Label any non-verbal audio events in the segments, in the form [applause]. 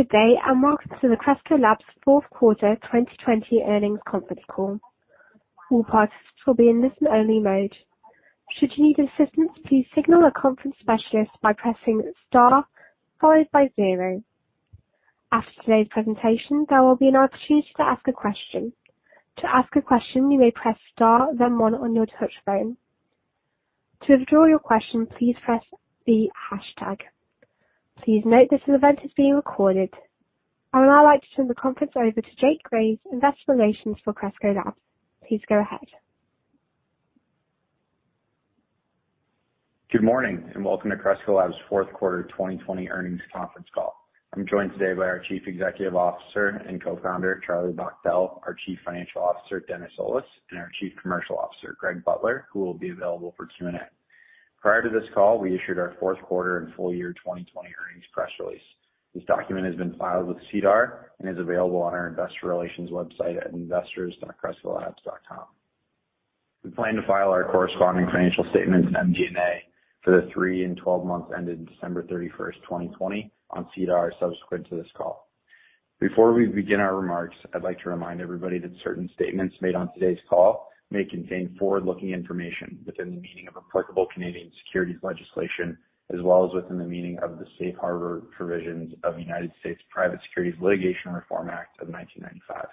Good day, and welcome to the Cresco Labs Fourth Quarter 2020 Earnings Conference Call. All participants will be in listen-only mode. Should you need assistance, please signal a conference specialist by pressing star followed by zero. After today's presentation, there will be an opportunity to ask a question. To ask a question, you may press star, then one on your touch-tone phone. To withdraw your question, please press the hashtag. Please note, this event is being recorded. I would now like to turn the conference over to Jake Graves, Investor Relations for Cresco Labs. Please go ahead. Good morning, and welcome to Cresco Labs' Fourth Quarter 2020 Earnings Conference Call. I'm joined today by our Chief Executive Officer and Co-founder, Charlie Bachtell, our Chief Financial Officer, Dennis Olis, and our Chief Commercial Officer, Greg Butler, who will be available for Q&A. Prior to this call, we issued our Fourth Quarter and Full Year 2020 earnings press release. This document has been filed with SEDAR and is available on our investor relations website at investors.crescolabs.com. We plan to file our corresponding financial statements and MD&A for the three and twelve months ended December 31st, 2020 on SEDAR, subsequent to this call. Before we begin our remarks, I'd like to remind everybody that certain statements made on today's call may contain forward-looking information within the meaning of applicable Canadian securities legislation, as well as within the meaning of the Safe Harbor Provisions of United States Private Securities Litigation Reform Act of 1995.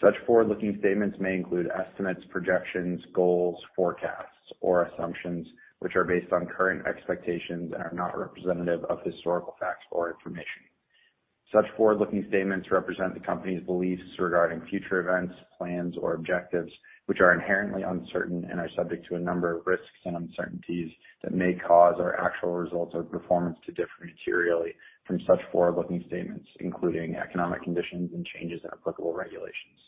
Such forward-looking statements may include estimates, projections, goals, forecasts, or assumptions, which are based on current expectations and are not representative of historical facts or information. Such forward-looking statements represent the company's beliefs regarding future events, plans, or objectives, which are inherently uncertain and are subject to a number of risks and uncertainties that may cause our actual results or performance to differ materially from such forward-looking statements, including economic conditions and changes in applicable regulations.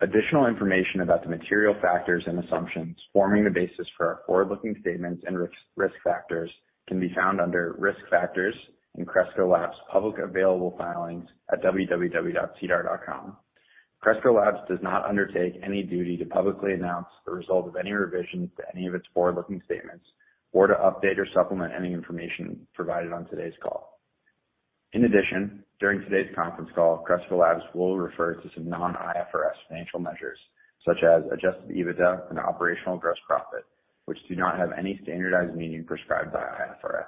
Additional information about the material factors and assumptions forming the basis for our forward-looking statements and risk factors can be found under Risk Factors in Cresco Labs' publicly available filings at www.sedar.com. Cresco Labs does not undertake any duty to publicly announce the result of any revisions to any of its forward-looking statements or to update or supplement any information provided on today's call. In addition, during today's conference call, Cresco Labs will refer to some non-IFRS financial measures, such as Adjusted EBITDA and Operational Gross Profit, which do not have any standardized meaning prescribed by IFRS.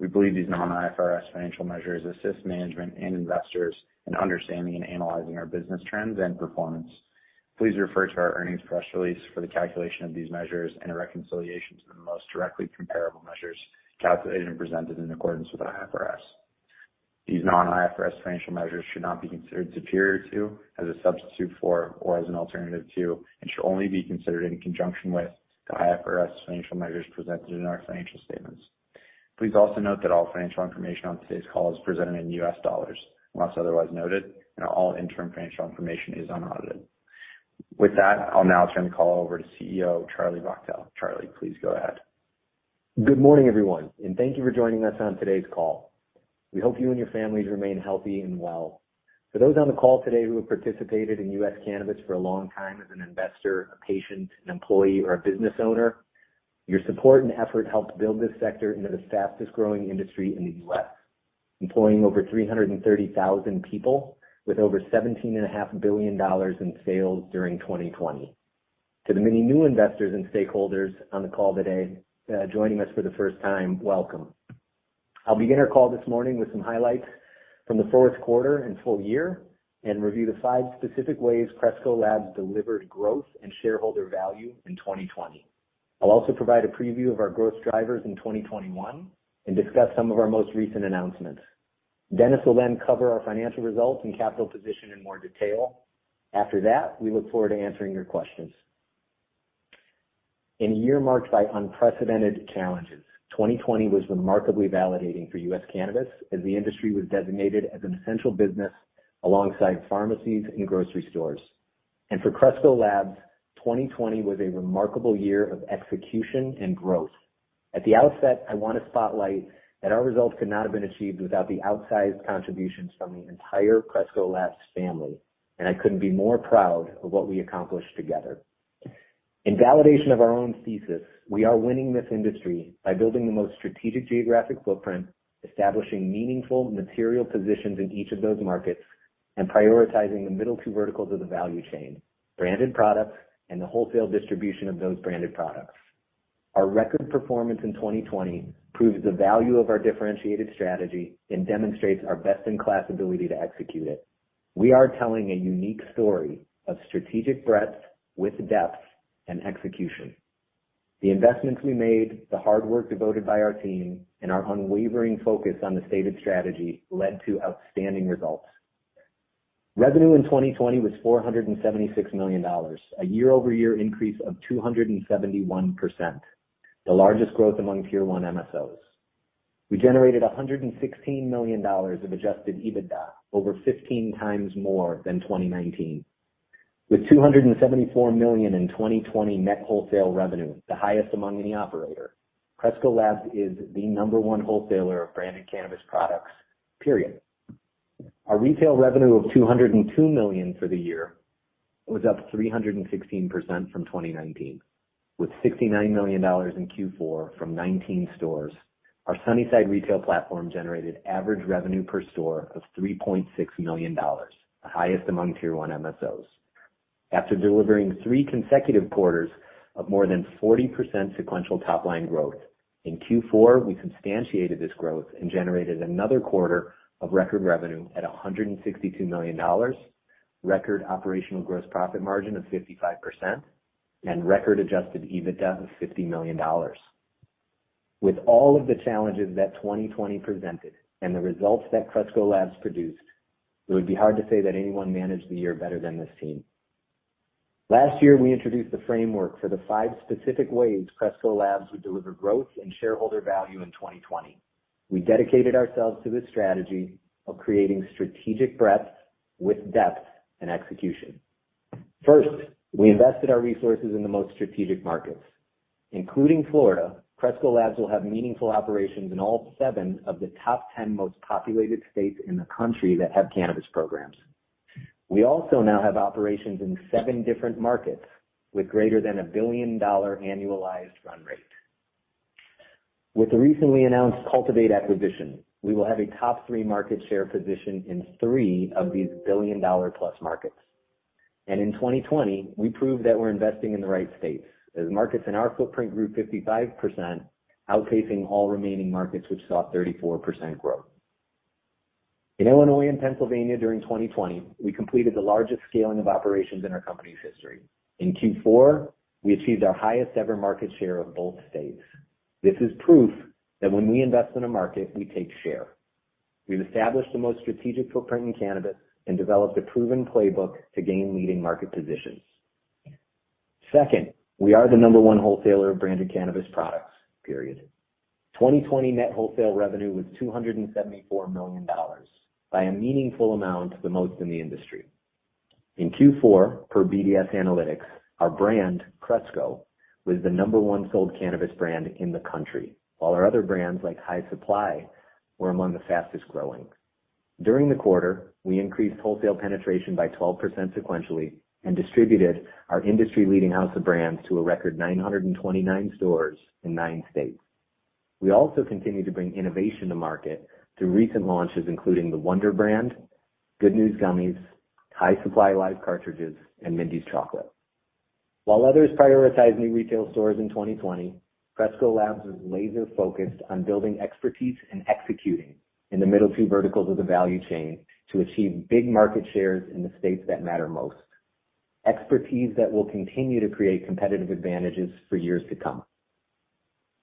We believe these non-IFRS financial measures assist management and investors in understanding and analyzing our business trends and performance. Please refer to our earnings press release for the calculation of these measures and a reconciliation to the most directly comparable measures, calculated and presented in accordance with IFRS. These non-IFRS financial measures should not be considered superior to, as a substitute for, or as an alternative to, and should only be considered in conjunction with the IFRS financial measures presented in our financial statements. Please also note that all financial information on today's call is presented in US dollars, unless otherwise noted, and all interim financial information is unaudited. With that, I'll now turn the call over to CEO, Charlie Bachtell. Charlie, please go ahead. Good morning, everyone, and thank you for joining us on today's call. We hope you and your families remain healthy and well. For those on the call today who have participated in U.S. cannabis for a long time as an investor, a patient, an employee, or a business owner, your support and effort helped build this sector into the fastest-growing industry in the U.S., employing over 330,000 people with over $17.5 billion in sales during 2020. To the many new investors and stakeholders on the call today, joining us for the first time, welcome. I'll begin our call this morning with some highlights from the fourth quarter and full year, and review the five specific ways Cresco Labs delivered growth and shareholder value in 2020. I'll also provide a preview of our growth drivers in 2021 and discuss some of our most recent announcements. Dennis will then cover our financial results and capital position in more detail. After that, we look forward to answering your questions. In a year marked by unprecedented challenges, 2020 was remarkably validating for U.S. cannabis, as the industry was designated as an essential business alongside pharmacies and grocery stores, and for Cresco Labs, 2020 was a remarkable year of execution and growth. At the outset, I want to spotlight that our results could not have been achieved without the outsized contributions from the entire Cresco Labs family, and I couldn't be more proud of what we accomplished together. In validation of our own thesis, we are winning this industry by building the most strategic geographic footprint, establishing meaningful material positions in each of those markets, and prioritizing the middle two verticals of the value chain, branded products and the wholesale distribution of those branded products. Our record performance in 2020 proves the value of our differentiated strategy and demonstrates our best-in-class ability to execute it. We are telling a unique story of strategic breadth with depth and execution. The investments we made, the hard work devoted by our team, and our unwavering focus on the stated strategy led to outstanding results. Revenue in 2020 was $476 million, a year-over-year increase of 271%, the largest growth among Tier One MSOs. We generated $116 million of adjusted EBITDA, over 15 times more than 2019. With $274 million in 2020 net wholesale revenue, the highest among any operator, Cresco Labs is the number one wholesaler of branded cannabis products, period. Our retail revenue of $202 million for the year was up 316% from 2019, with $69 million in Q4 from 19 stores. Our Sunnyside retail platform generated average revenue per store of $3.6 million, the highest among Tier One MSOs. After delivering 3 consecutive quarters of more than 40% sequential top-line growth, in Q4, we substantiated this growth and generated another quarter of record revenue at $162 million, record operational gross profit margin of 55%, and record Adjusted EBITDA of $50 million. With all of the challenges that 2020 presented and the results that Cresco Labs produced, it would be hard to say that anyone managed the year better than this team. Last year, we introduced the framework for the five specific ways Cresco Labs would deliver growth and shareholder value in 2020. We dedicated ourselves to this strategy of creating strategic breadth with depth and execution. First, we invested our resources in the most strategic markets, including Florida. Cresco Labs will have meaningful operations in all seven of the top 10 most populated states in the country that have cannabis programs. We also now have operations in seven different markets, with greater than a billion-dollar annualized run rate. With the recently announced Cultivate acquisition, we will have a top three market share position in three of these billion-dollar-plus markets. In 2020, we proved that we're investing in the right states, as markets in our footprint grew 55%, outpacing all remaining markets, which saw 34% growth. In Illinois and Pennsylvania during 2020, we completed the largest scaling of operations in our company's history. In Q4, we achieved our highest-ever market share of both states. This is proof that when we invest in a market, we take share. We've established the most strategic footprint in cannabis and developed a proven playbook to gain leading market positions. Second, we are the number one wholesaler of branded cannabis products, period. 2020 net wholesale revenue was $274 million, by a meaningful amount, the most in the industry. In Q4, per BDS Analytics, our brand, Cresco, was the number one sold cannabis brand in the country, while our other brands, like High Supply, were among the fastest-growing. During the quarter, we increased wholesale penetration by 12% sequentially and distributed our industry-leading house of brands to a record 929 stores in 9 states. We also continued to bring innovation to market through recent launches, including the Wonder brand, Good News gummies, High Supply Live cartridges, and Mindy's chocolate. While others prioritize new retail stores in 2020, Cresco Labs was laser-focused on building expertise and executing in the middle two verticals of the value chain to achieve big market shares in the states that matter most, expertise that will continue to create competitive advantages for years to come.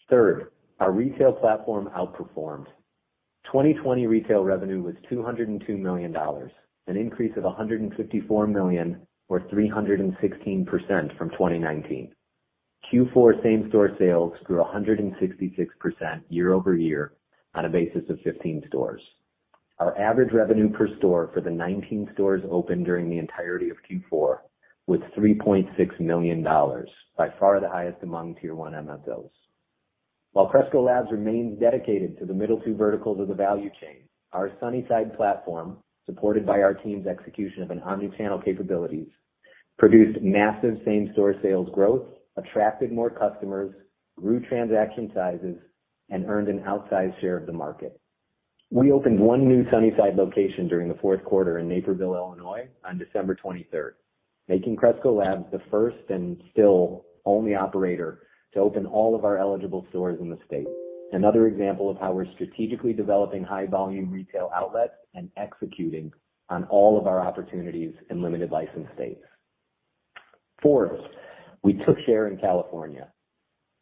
Third, our retail platform outperformed. 2020 retail revenue was $202 million, an increase of $154 million, or 316% from 2019. Q4 same-store sales grew 166% year over year on a basis of 15 stores. Our average revenue per store for the 19 stores opened during the entirety of Q4 was $3.6 million, by far the highest among Tier One MSOs. While Cresco Labs remains dedicated to the middle two verticals of the value chain, our Sunnyside platform, supported by our team's execution of an omni-channel capabilities, produced massive same-store sales growth, attracted more customers, grew transaction sizes, and earned an outsized share of the market. We opened one new Sunnyside location during the fourth quarter in Naperville, Illinois, on December 23rd, making Cresco Labs the first and still only operator to open all of our eligible stores in the state. Another example of how we're strategically developing high-volume retail outlets and executing on all of our opportunities in limited license states. Fourth, we took share in California.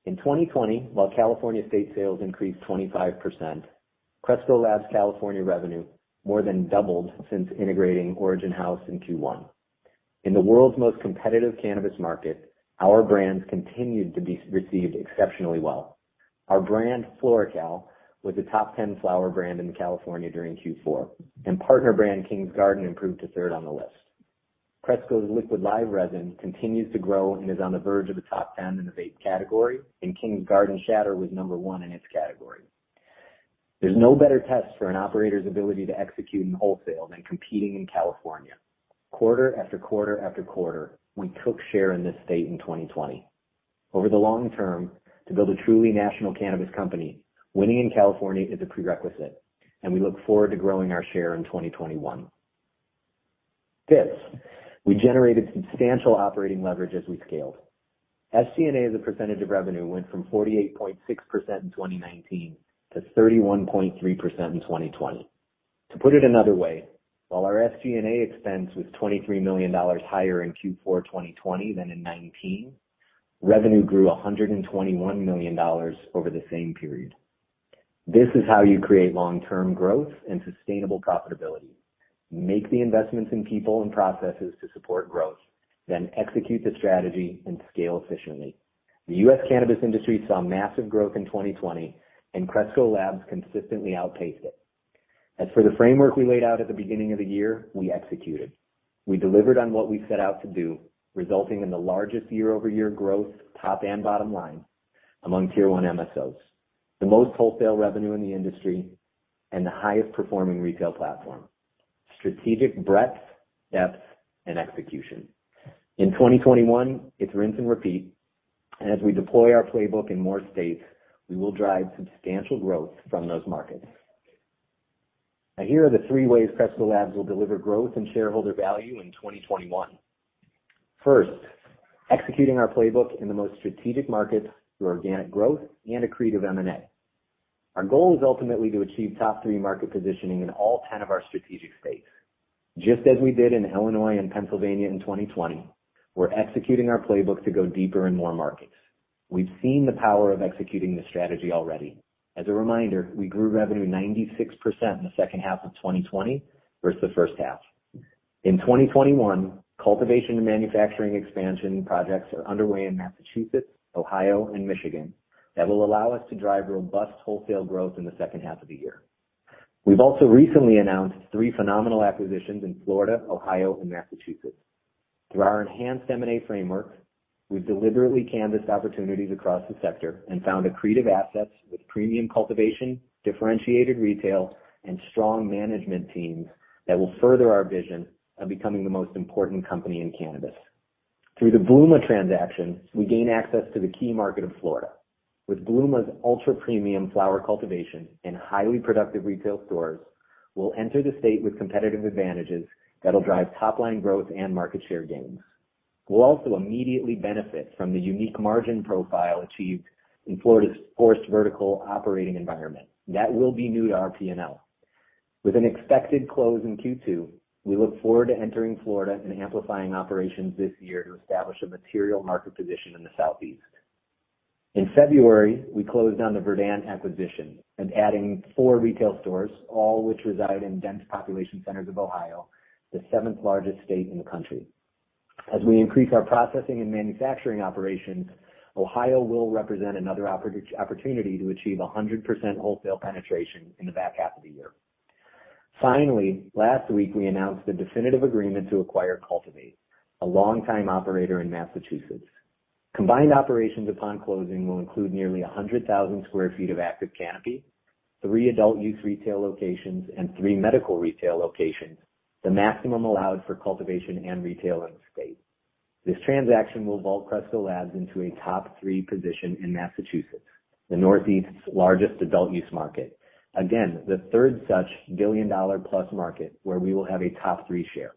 In 2020, while California state sales increased 25%, Cresco Labs' California revenue more than doubled since integrating Origin House in Q1. In the world's most competitive cannabis market, our brands continued to be received exceptionally well. Our brand, FloraCal, was a top 10 flower brand in California during Q4, and partner brand, Kings Garden, improved to third on the list. Cresco's Liquid Live Resin continues to grow and is on the verge of the top ten in the vape category, and Kings Garden shatter was number one in its category. There's no better test for an operator's ability to execute in wholesale than competing in California. Quarter after quarter after quarter, we took share in this state in 2020. Over the long term, to build a truly national cannabis company, winning in California is a prerequisite, and we look forward to growing our share in 2021. Fifth, we generated substantial operating leverage as we scaled. SG&A, as a percentage of revenue, went from 48.6% in 2019 to 31.3% in 2020. To put it another way, while our SG&A expense was $23 million higher in Q4 2020 than in 2019, revenue grew $121 million over the same period. This is how you create long-term growth and sustainable profitability. Make the investments in people and processes to support growth, then execute the strategy and scale efficiently. The U.S. cannabis industry saw massive growth in 2020, and Cresco Labs consistently outpaced it. As for the framework we laid out at the beginning of the year, we executed. We delivered on what we set out to do, resulting in the largest year-over-year growth, top and bottom line among Tier One MSOs, the most wholesale revenue in the industry, and the highest-performing retail platform. Strategic breadth, depth, and execution. In 2021, it's rinse and repeat, and as we deploy our playbook in more states, we will drive substantial growth from those markets. Now, here are the three ways Cresco Labs will deliver growth and shareholder value in 2021. First, executing our playbook in the most strategic markets through organic growth and accretive M&A. Our goal is ultimately to achieve top three market positioning in all ten of our strategic states. Just as we did in Illinois and Pennsylvania in 2020, we're executing our playbook to go deeper in more markets. We've seen the power of executing this strategy already. As a reminder, we grew revenue 96% in the second half of 2020 versus the first half. In 2021, cultivation and manufacturing expansion projects are underway in Massachusetts, Ohio, and Michigan that will allow us to drive robust wholesale growth in the second half of the year. We've also recently announced three phenomenal acquisitions in Florida, Ohio, and Massachusetts. Through our enhanced M&A framework, we've deliberately canvassed opportunities across the sector and found accretive assets with premium cultivation, differentiated retail, and strong management teams that will further our vision of becoming the most important company in cannabis. Through the Bluma transaction, we gain access to the key market of Florida. With Bluma's ultra-premium flower cultivation and highly productive retail stores, we'll enter the state with competitive advantages that'll drive top-line growth and market share gains. We'll also immediately benefit from the unique margin profile achieved in Florida's forced vertical operating environment. That will be new to our P&L. With an expected close in Q2, we look forward to entering Florida and amplifying operations this year to establish a material market position in the Southeast. In February, we closed on the Verdant acquisition and adding four retail stores, all which reside in dense population centers of Ohio, the seventh-largest state in the country. As we increase our processing and manufacturing operations, Ohio will represent another opportunity to achieve 100% wholesale penetration in the back half of the year. Finally, last week, we announced the definitive agreement to acquire Cultivate, a longtime operator in Massachusetts. Combined operations upon closing will include nearly 100,000 sq ft of active canopy, three adult-use retail locations, and three medical retail locations, the maximum allowed for cultivation and retail in the state. This transaction will vault Cresco Labs into a top three position in Massachusetts, the Northeast's largest adult use market. Again, the third such billion-dollar-plus market where we will have a top three share.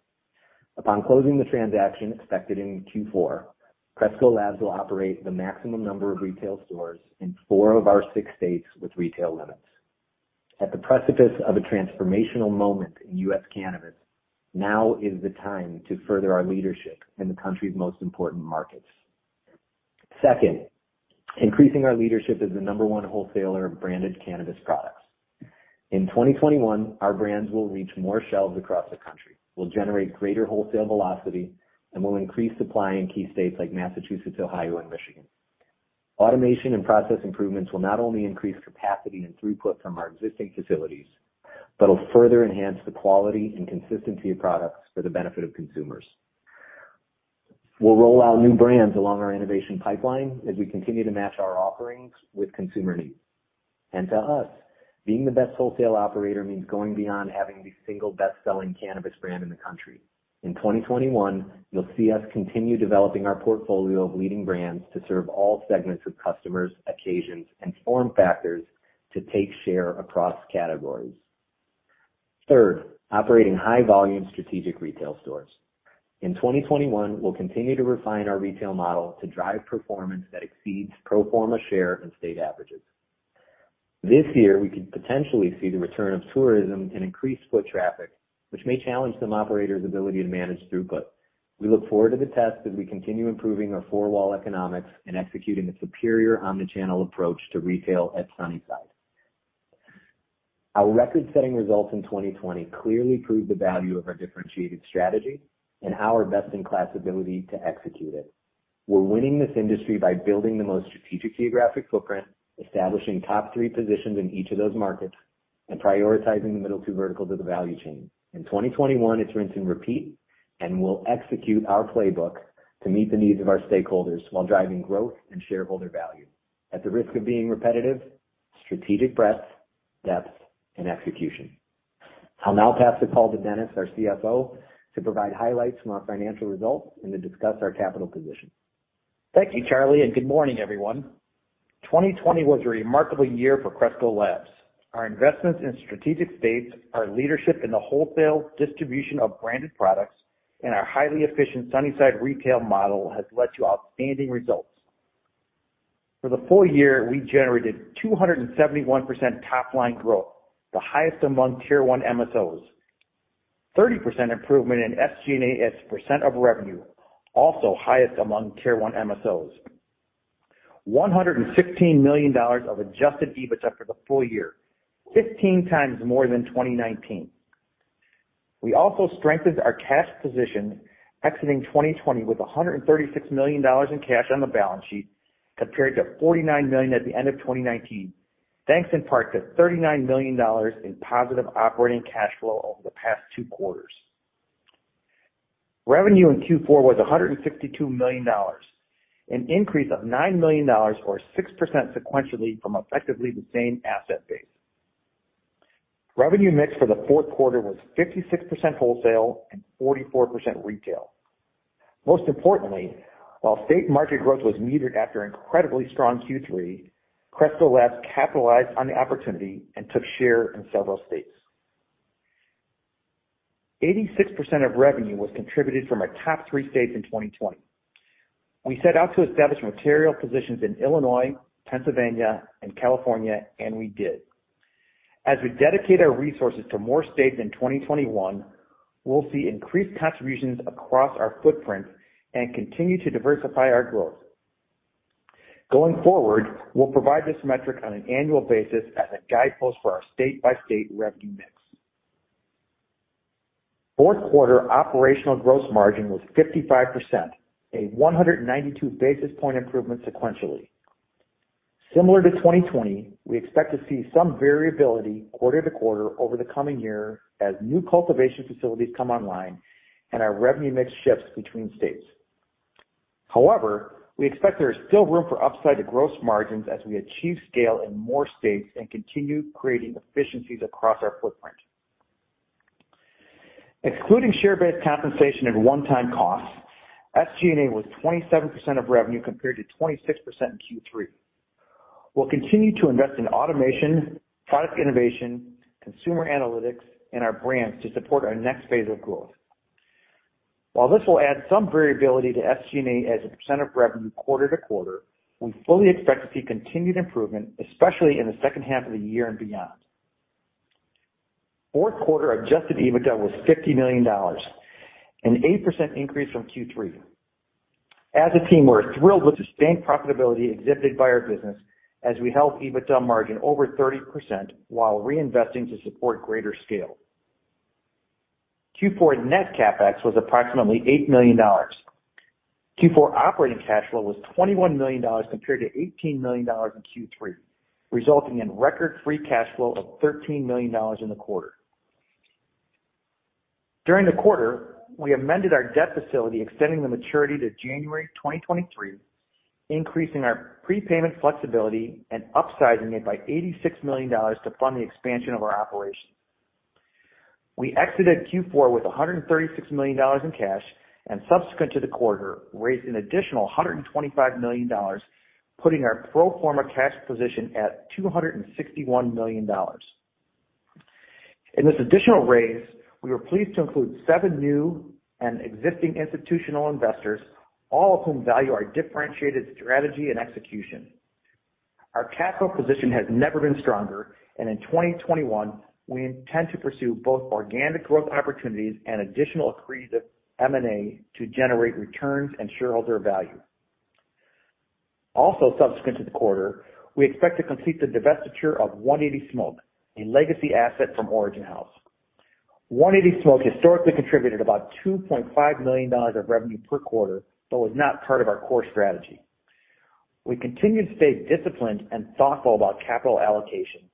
Upon closing the transaction expected in Q4, Cresco Labs will operate the maximum number of retail stores in four of our six states with retail limits. At the precipice of a transformational moment in U.S. cannabis, now is the time to further our leadership in the country's most important markets. Second, increasing our leadership as the number one wholesaler of branded cannabis products. In 2021, our brands will reach more shelves across the country. We'll generate greater wholesale velocity, and we'll increase supply in key states like Massachusetts, Ohio, and Michigan. Automation and process improvements will not only increase capacity and throughput from our existing facilities, but will further enhance the quality and consistency of products for the benefit of consumers. We'll roll out new brands along our innovation pipeline as we continue to match our offerings with consumer needs, and to us, being the best wholesale operator means going beyond having the single best-selling cannabis brand in the country. In 2021, you'll see us continue developing our portfolio of leading brands to serve all segments of customers, occasions, and form factors to take share across categories. Third, operating high-volume strategic retail stores. In 2021, we'll continue to refine our retail model to drive performance that exceeds pro forma share and state averages. This year, we could potentially see the return of tourism and increased foot traffic, which may challenge some operators' ability to manage throughput. We look forward to the test as we continue improving our four-wall economics and executing a superior omnichannel approach to retail at Sunnyside. Our record-setting results in 2020 clearly proved the value of our differentiated strategy and our best-in-class ability to execute it. We're winning this industry by building the most strategic geographic footprint, establishing top three positions in each of those markets, and prioritizing the middle two verticals of the value chain. In 2021, it's rinse and repeat, and we'll execute our playbook to meet the needs of our stakeholders while driving growth and shareholder value. At the risk of being repetitive, strategic breadth, depth, and execution. I'll now pass the call to Dennis, our CFO, to provide highlights from our financial results and to discuss our capital position. Thank you, Charlie, and good morning, everyone. 2020 was a remarkable year for Cresco Labs. Our investments in strategic states, our leadership in the wholesale distribution of branded products, and our highly efficient Sunnyside retail model has led to outstanding results. For the full year, we generated 271% top-line growth, the highest among Tier One MSOs. 30% improvement in SG&A as % of revenue, also highest among Tier One MSOs. $116 million of adjusted EBITDA for the full year, 15 times more than 2019. We also strengthened our cash position, exiting 2020 with $136 million in cash on the balance sheet, compared to $49 million at the end of 2019, thanks in part to $39 million in positive operating cash flow over the past two quarters. Revenue in Q4 was $152 million, an increase of $9 million or 6% sequentially from effectively the same asset base. Revenue mix for the fourth quarter was 56% wholesale and 44% retail. Most importantly, while state market growth was muted after incredibly strong Q3, Cresco Labs capitalized on the opportunity and took share in several states. 86% of revenue was contributed from our top three states in 2020. We set out to establish material positions in Illinois, Pennsylvania, and California, and we did. As we dedicate our resources to more states in 2021, we'll see increased contributions across our footprint and continue to diversify our growth. Going forward, we'll provide this metric on an annual basis as a guidepost for our state-by-state revenue mix. Fourth quarter operational gross margin was 55%, a 192 basis point improvement sequentially. Similar to 2020, we expect to see some variability quarter to quarter over the coming year as new cultivation facilities come online and our revenue mix shifts between states. However, we expect there is still room for upside to gross margins as we achieve scale in more states and continue creating efficiencies across our footprint. Excluding share-based compensation and one-time costs, SG&A was 27% of revenue compared to 26% in Q3. We'll continue to invest in automation, product innovation, consumer analytics, and our brands to support our next phase of growth. While this will add some variability to SG&A as a percent of revenue quarter to quarter, we fully expect to see continued improvement, especially in the second half of the year and beyond. Fourth quarter adjusted EBITDA was $50 million, an 8% increase from Q3. As a team, we're thrilled with the sustained profitability exhibited by our business as we held EBITDA margin over 30% while reinvesting to support greater scale. Q4 net CapEx was approximately $8 million. Q4 operating cash flow was $21 million compared to $18 million in Q3, resulting in record free cash flow of $13 million in the quarter. During the quarter, we amended our debt facility, extending the maturity to January 2023, increasing our prepayment flexibility and upsizing it by $86 million to fund the expansion of our operations. We exited Q4 with $136 million in cash, and subsequent to the quarter, raised an additional $125 million, putting our pro forma cash position at $261 million. In this additional raise, we were pleased to include seven new and existing institutional investors, all of whom value our differentiated strategy and execution. Our cash flow position has never been stronger, and in 2021, we intend to pursue both organic growth opportunities and additional accretive M&A to generate returns and shareholder value. Also, subsequent to the quarter, we expect to complete the divestiture of 180 Smoke, a legacy asset from Origin House. 180 Smoke historically contributed about $2.5 million of revenue per quarter, but was not part of our core strategy. We continue to stay disciplined and thoughtful about capital allocation,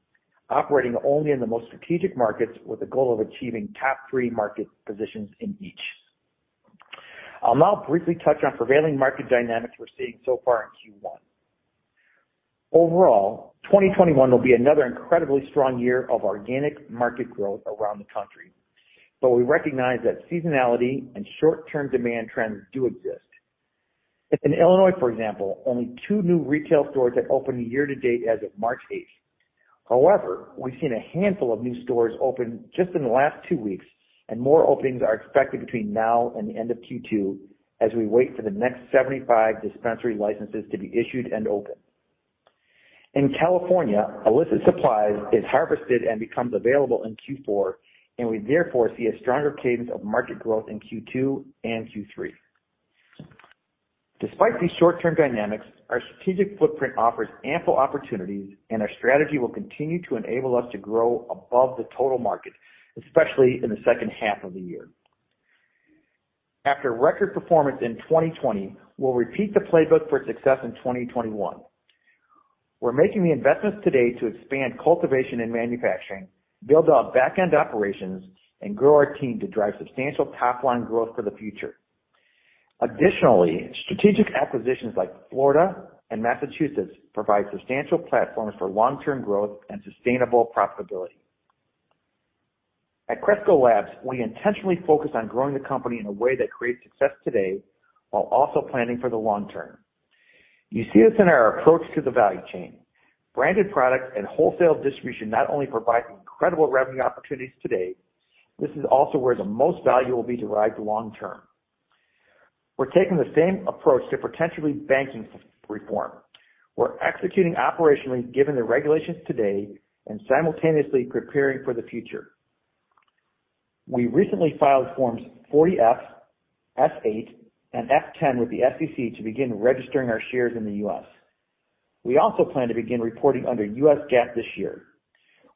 operating only in the most strategic markets with the goal of achieving top three market positions in each. I'll now briefly touch on prevailing market dynamics we're seeing so far in Q1. Overall, 2021 will be another incredibly strong year of organic market growth around the country, but we recognize that seasonality and short-term demand trends do exist. In Illinois, for example, only two new retail stores have opened year to date as of March eighth. However, we've seen a handful of new stores open just in the last two weeks, and more openings are expected between now and the end of Q2 as we wait for the next 75 dispensary licenses to be issued and open. In California, illicit supply is harvested and becomes available in Q4, and we therefore see a stronger cadence of market growth in Q2 and Q3. Despite these short-term dynamics, our strategic footprint offers ample opportunities, and our strategy will continue to enable us to grow above the total market, especially in the second half of the year. After record performance in 2020, we'll repeat the playbook for success in 2021. We're making the investments today to expand cultivation and manufacturing, build out back-end operations, and grow our team to drive substantial top-line growth for the future. Additionally, strategic acquisitions like Florida and Massachusetts provide substantial platforms for long-term growth and sustainable profitability. At Cresco Labs, we intentionally focus on growing the company in a way that creates success today while also planning for the long term. You see this in our approach to the value chain. Branded products and wholesale distribution not only provide incredible revenue opportunities today. This is also where the most value will be derived long term. We're taking the same approach to potentially banking reform. We're executing operationally, given the regulations today, and simultaneously preparing for the future. We recently filed Forms 40-F, F-8, and F-10 with the SEC to begin registering our shares in the U.S. We also plan to begin reporting under U.S. GAAP this year.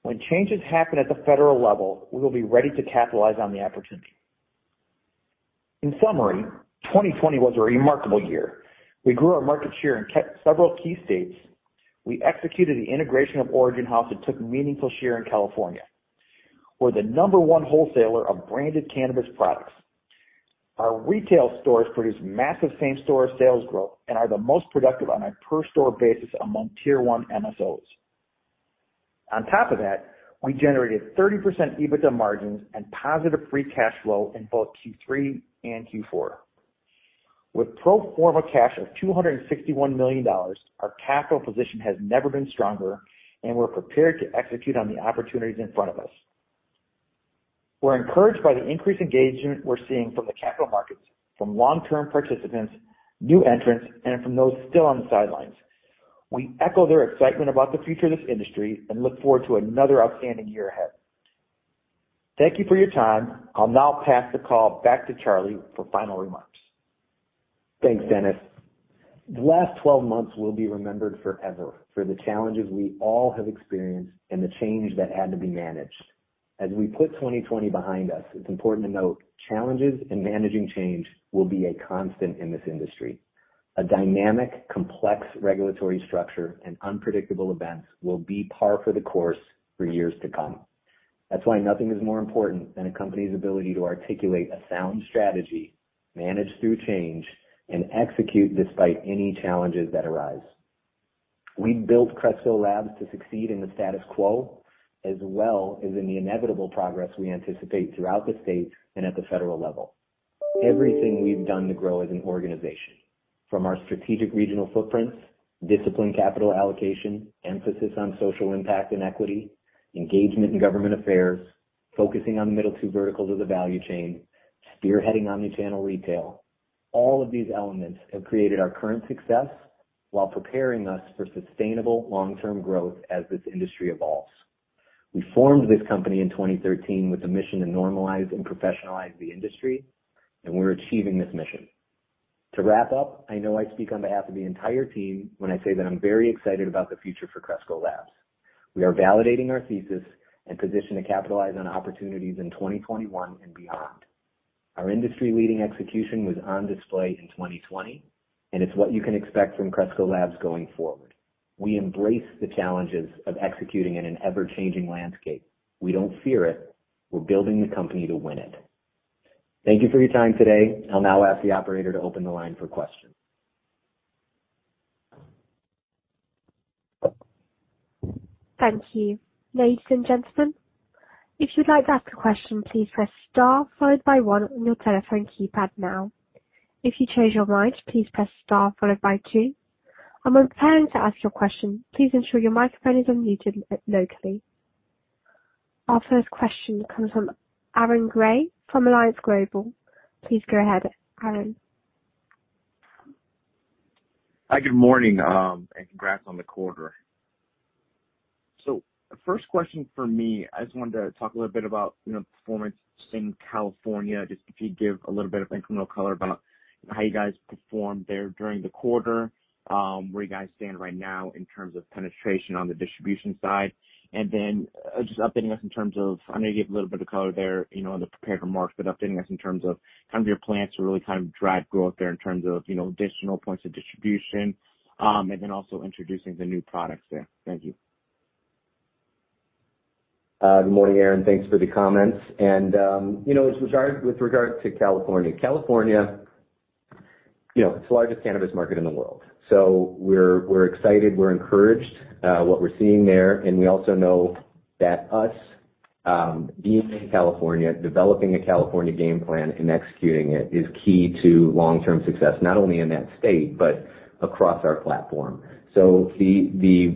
When changes happen at the federal level, we will be ready to capitalize on the opportunity. In summary, 2020 was a remarkable year. We grew our market share in several key states. We executed the integration of Origin House and took meaningful share in California. We're the number one wholesaler of branded cannabis products. Our retail stores produce massive same-store sales growth and are the most productive on a per store basis among Tier One MSOs. On top of that, we generated 30% EBITDA margins and positive free cash flow in both Q3 and Q4. With pro forma cash of $261 million, our capital position has never been stronger, and we're prepared to execute on the opportunities in front of us. We're encouraged by the increased engagement we're seeing from the capital markets, from long-term participants, new entrants, and from those still on the sidelines. We echo their excitement about the future of this industry and look forward to another outstanding year ahead. Thank you for your time. I'll now pass the call back to Charlie for final remarks. Thanks, Dennis. The last 12 months will be remembered forever for the challenges we all have experienced and the change that had to be managed. As we put 2020 behind us, it's important to note, challenges and managing change will be a constant in this industry. A dynamic, complex regulatory structure and unpredictable events will be par for the course for years to come. That's why nothing is more important than a company's ability to articulate a sound strategy, manage through change, and execute despite any challenges that arise. We built Cresco Labs to succeed in the status quo, as well as in the inevitable progress we anticipate throughout the state and at the federal level. Everything we've done to grow as an organization, from our strategic regional footprints, disciplined capital allocation, emphasis on social impact and equity, engagement in government affairs, focusing on the middle two verticals of the value chain, spearheading omni-channel retail, all of these elements have created our current success while preparing us for sustainable long-term growth as this industry evolves. We formed this company in 2013 with a mission to normalize and professionalize the industry, and we're achieving this mission. To wrap up, I know I speak on behalf of the entire team when I say that I'm very excited about the future for Cresco Labs. We are validating our thesis and positioned to capitalize on opportunities in 2021 and beyond. Our industry-leading execution was on display in 2020, and it's what you can expect from Cresco Labs going forward. We embrace the challenges of executing in an ever-changing landscape. We don't fear it. We're building the company to win it. Thank you for your time today. I'll now ask the operator to open the line for questions. Thank you. Ladies and gentlemen, if you'd like to ask a question, please press star followed by one on your telephone keypad now. If you change your mind, please press star followed by two. And when preparing to ask your question, please ensure your microphone is unmuted, locally. Our first question comes from Aaron Grey, from Alliance Global. Please go ahead, Aaron. Hi, good morning, and congrats on the quarter. So the first question for me, I just wanted to talk a little bit about, you know, performance in California, just if you'd give a little bit of incremental color about how you guys performed there during the quarter, where you guys stand right now in terms of penetration on the distribution side. And then, just updating us in terms of, I know you gave a little bit of color there, you know, in the prepared remarks, but updating us in terms of kind of your plans to really kind of drive growth there in terms of, you know, additional points of distribution, and then also introducing the new products there. Thank you. Good morning, Aaron. Thanks for the comments, and you know, with regard to California, it's the largest cannabis market in the world. So we're excited, we're encouraged what we're seeing there, and we also know that us being in California, developing a California game plan and executing it, is key to long-term success, not only in that state, but across our platform. So the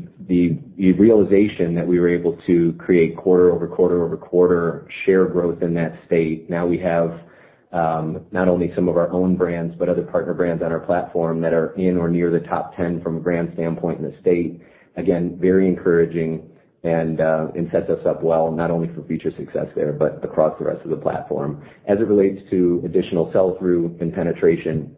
realization that we were able to create quarter over quarter over quarter share growth in that state. Now we have not only some of our own brands, but other partner brands on our platform that are in or near the top ten from a brand standpoint in the state. Again, very encouraging and sets us up well, not only for future success there, but across the rest of the platform. As it relates to additional sell-through and penetration,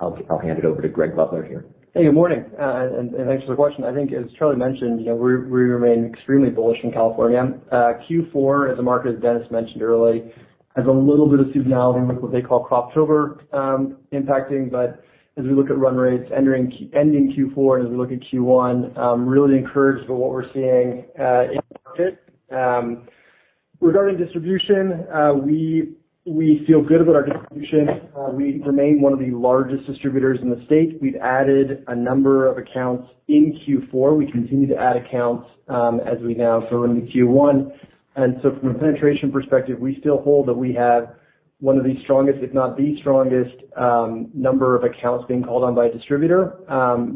I'll hand it over to Greg Butler here. Hey, good morning, and thanks for the question. I think as Charlie mentioned, you know, we remain extremely bullish in California. Q4 as a market, as Dennis mentioned early, has a little bit of seasonality with what they call Croptober, impacting. But as we look at run rates entering, ending Q4 and as we look at Q1, I'm really encouraged by what we're seeing, in the market. Regarding distribution, we feel good about our distribution. We remain one of the largest distributors in the state. We've added a number of accounts in Q4. We continue to add accounts, as we now go into Q1. From a penetration perspective, we still hold that we have one of the strongest, if not the strongest, number of accounts being called on by a distributor,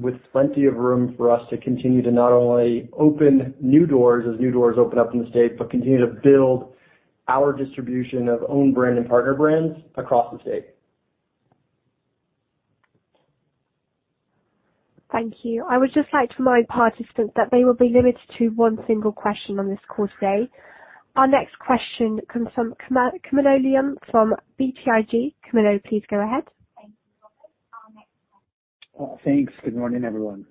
with plenty of room for us to continue to not only open new doors as new doors open up in the state, but continue to build our distribution of own brand and partner brands across the state. Thank you. I would just like to remind participants that they will be limited to one single question on this call today. Our next question comes from Camilo Lyon from BTIG. Camilo, please go ahead. Thanks. Good morning, everyone.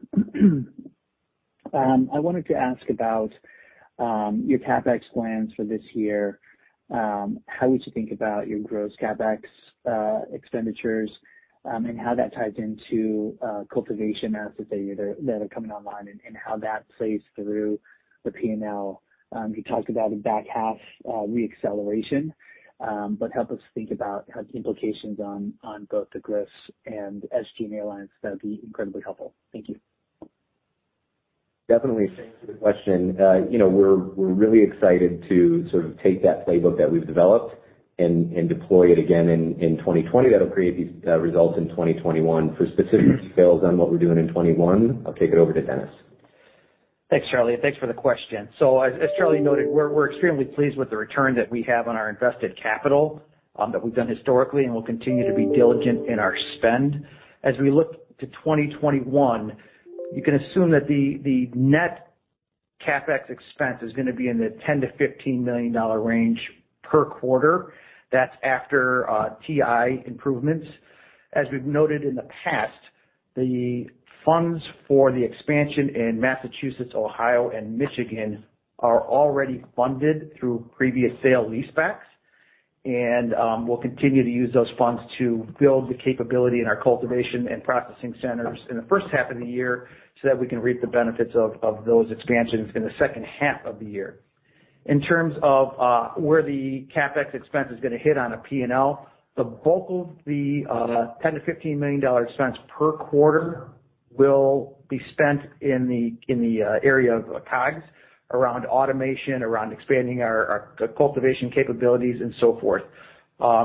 I wanted to ask about your CapEx plans for this year, how would you think about your gross CapEx expenditures, and how that ties into cultivation assets that are coming online, and how that plays through the P&L? You talked about a back-half re-acceleration, but help us think about how the implications on both the gross and SG&A, that would be incredibly helpful. Thank you. Definitely. Thanks for the question. You know, we're really excited to sort of take that playbook that we've developed and deploy it again in 2020. That'll create these results in 2021. For specific details on what we're doing in 21, I'll kick it over to Dennis. Thanks, Charlie, thanks for the question. So as Charlie noted, we're extremely pleased with the return that we have on our invested capital, that we've done historically, and we'll continue to be diligent in our spend. As we look to 2021, you can assume that the net CapEx expense is gonna be in the $10-$15 million range per quarter. That's after TI improvements. As we've noted in the past, the funds for the expansion in Massachusetts, Ohio, and Michigan are already funded through previous sale leasebacks. We'll continue to use those funds to build the capability in our cultivation and processing centers in the first half of the year, so that we can reap the benefits of those expansions in the second half of the year. In terms of where the CapEx expense is gonna hit on a P&L, the bulk of the ten to fifteen million dollar expense per quarter will be spent in the area of COGS, around automation, around expanding our cultivation capabilities, and so forth.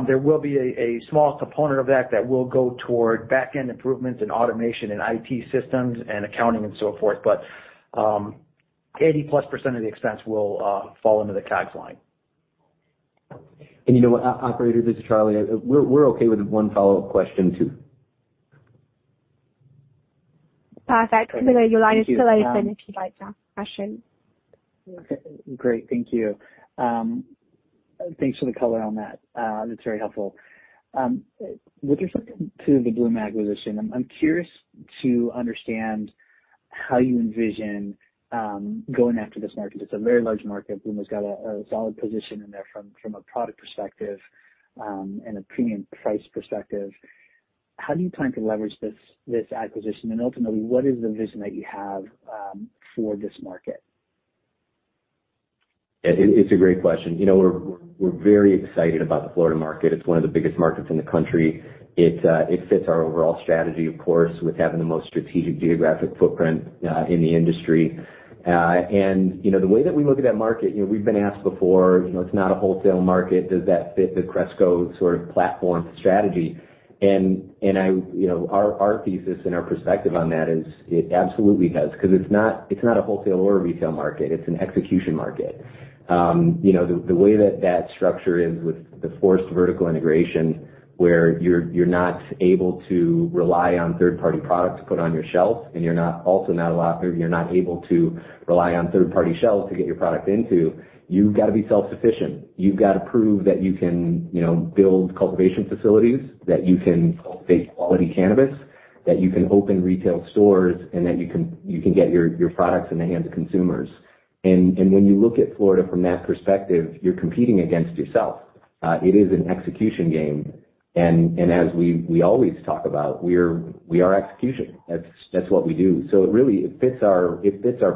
There will be a small component of that that will go toward back-end improvements and automation and IT systems and accounting and so forth, but eighty plus percent of the expense will fall into the COGS line. And you know what? Operator, this is Charlie. We're okay with one follow-up question, too. Perfect. Thank you. Your line is still open if you'd like to ask a question. Okay, great. Thank you. Thanks for the color on that. That's very helpful. With respect to the Bluma acquisition, I'm curious to understand how you envision going after this market. It's a very large market. Bluma has got a solid position in there from a product perspective and a premium price perspective. How do you plan to leverage this acquisition? And ultimately, what is the vision that you have for this market? It's a great question. You know, we're very excited about the Florida market. It's one of the biggest markets in the country. It fits our overall strategy, of course, with having the most strategic geographic footprint in the industry. And, you know, the way that we look at that market, you know, we've been asked before, you know, it's not a wholesale market, does that fit the Cresco sort of platform strategy? And I-- you know, our thesis and our perspective on that is, it absolutely does, because it's not a wholesale or retail market, it's an execution market. You know, the way that that structure is with the forced vertical integration, where you're not able to rely on third-party products put on your shelves, and you're not also not allowed, or you're not able to rely on third-party shelves to get your product into, you've got to be self-sufficient. You've got to prove that you can, you know, build cultivation facilities, that you can cultivate quality cannabis, that you can open retail stores, and that you can get your products in the hands of consumers. When you look at Florida from that perspective, you're competing against yourself. It is an execution game, and as we always talk about, we're, we are execution. That's what we do. So it really fits our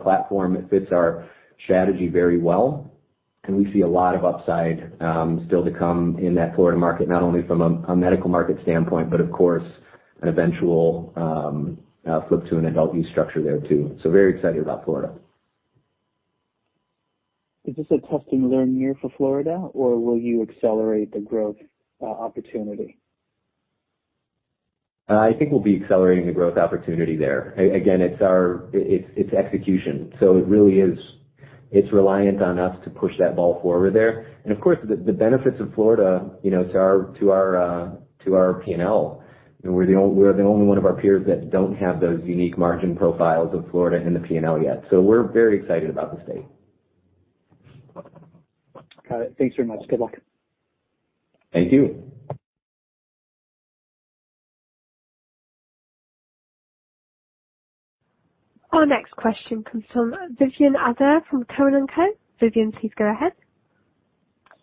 platform, it fits our strategy very well, and we see a lot of upside, still to come in that Florida market, not only from a medical market standpoint, but of course, an eventual flip to an adult use structure there, too. So very excited about Florida. Is this a test and learn year for Florida, or will you accelerate the growth, opportunity? I think we'll be accelerating the growth opportunity there. Again, it's our execution, so it really is reliant on us to push that ball forward there. And of course, the benefits of Florida, you know, to our P&L, and we're the only one of our peers that don't have those unique margin profiles of Florida in the P&L yet. So we're very excited about the state. Got it. Thanks very much. Good luck. Thank you. Our next question comes from Vivien Azer from Cowen and Co. Vivien, please go ahead.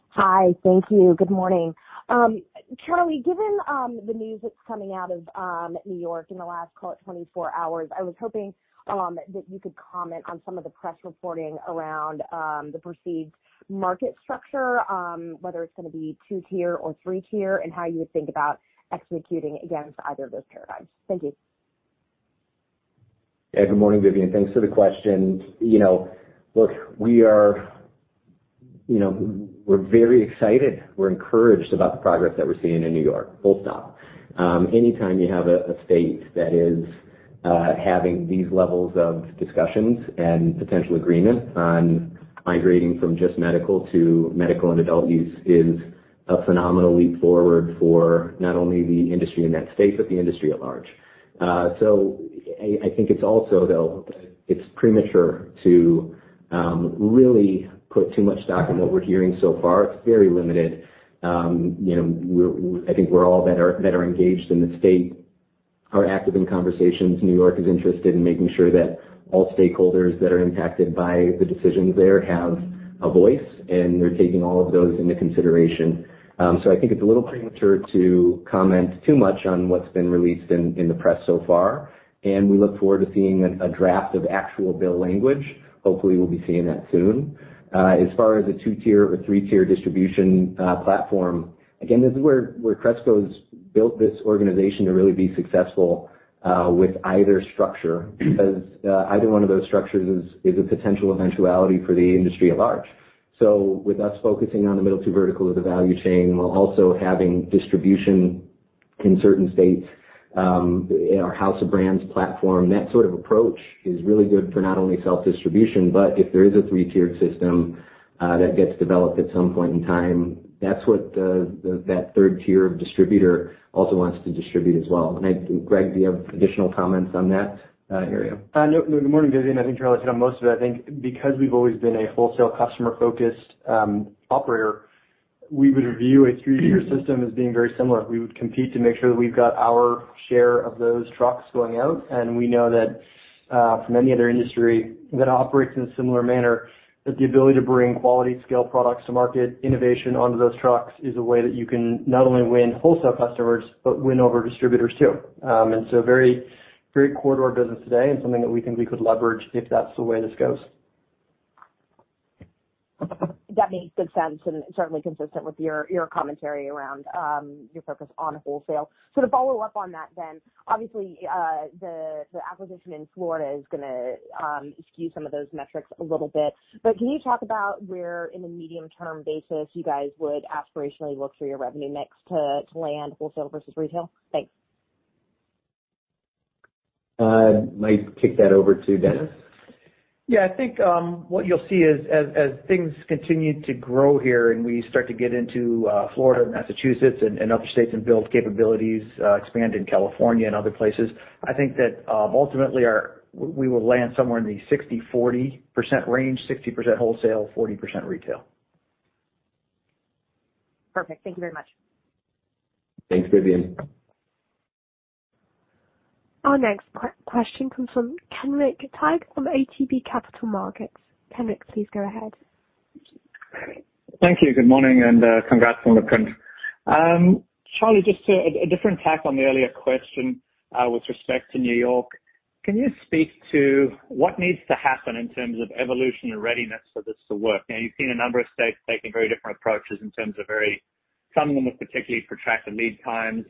Hi, thank you. Good morning. Charlie, given the news that's coming out of New York in the last call it 24 hours, I was hoping that you could comment on some of the press reporting around the perceived market structure, whether it's gonna be two-tier or three-tier, and how you would think about executing against either of those paradigms? Thank you. Hey, good morning, Vivien. Thanks for the question. You know, look, we are, you know, we're very excited, we're encouraged about the progress that we're seeing in New York, full stop. Anytime you have a state that is having these levels of discussions and potential agreement on migrating from just medical to medical and adult use is a phenomenal leap forward for not only the industry in that state, but the industry at large. So I think it's also, though, it's premature to really put too much stock in what we're hearing so far. It's very limited. You know, we're, I think we're all that are engaged in the state are active in conversations. New York is interested in making sure that all stakeholders that are impacted by the decisions there have a voice, and they're taking all of those into consideration. So I think it's a little premature to comment too much on what's been released in the press so far, and we look forward to seeing a draft of actual bill language. Hopefully, we'll be seeing that soon. As far as a two-tier or three-tier distribution platform, again, this is where Cresco's built this organization to really be successful with either structure, because either one of those structures is a potential eventuality for the industry at large. So with us focusing on the middle two vertical of the value chain, while also having distribution in certain states, in our House of Brands platform, that sort of approach is really good for not only self-distribution, but if there is a three-tiered system that gets developed at some point in time, that's what the third tier of distributor also wants to distribute as well. And I, Greg, do you have additional comments on that area? No. Good morning, Vivien. I think Charlie hit on most of it. I think because we've always been a wholesale customer-focused, operator, we would view a three-tier system as being very similar. We would compete to make sure that we've got our share of those trucks going out, and we know that, from any other industry that operates in a similar manner, that the ability to bring quality scale products to market, innovation onto those trucks, is a way that you can not only win wholesale customers, but win over distributors, too, and so very, very core to our business today and something that we think we could leverage if that's the way this goes. That makes good sense, and certainly consistent with your commentary around your focus on wholesale. So to follow up on that then, obviously, the acquisition in Florida is gonna skew some of those metrics a little bit. But can you talk about where, in the medium-term basis, you guys would aspirationally look for your revenue mix to land wholesale versus retail? Thanks. Might kick that over to Dennis. Yeah, I think what you'll see is as things continue to grow here, and we start to get into Florida, Massachusetts, and other states and build capabilities, expand in California and other places, I think that ultimately we will land somewhere in the 60%-40% range, 60% wholesale, 40% retail. Perfect. Thank you very much. Thanks, Vivian. Our next question comes from Kenric Tyghe from ATB Capital Markets. Kenric, please go ahead. Thank you. Good morning, and congrats on the print. Charlie, just to a different tack on the earlier question, with respect to New York, can you speak to what needs to happen in terms of evolution and readiness for this to work? Now, you've seen a number of states taking very different approaches in terms of very, some of them with particularly protracted lead times,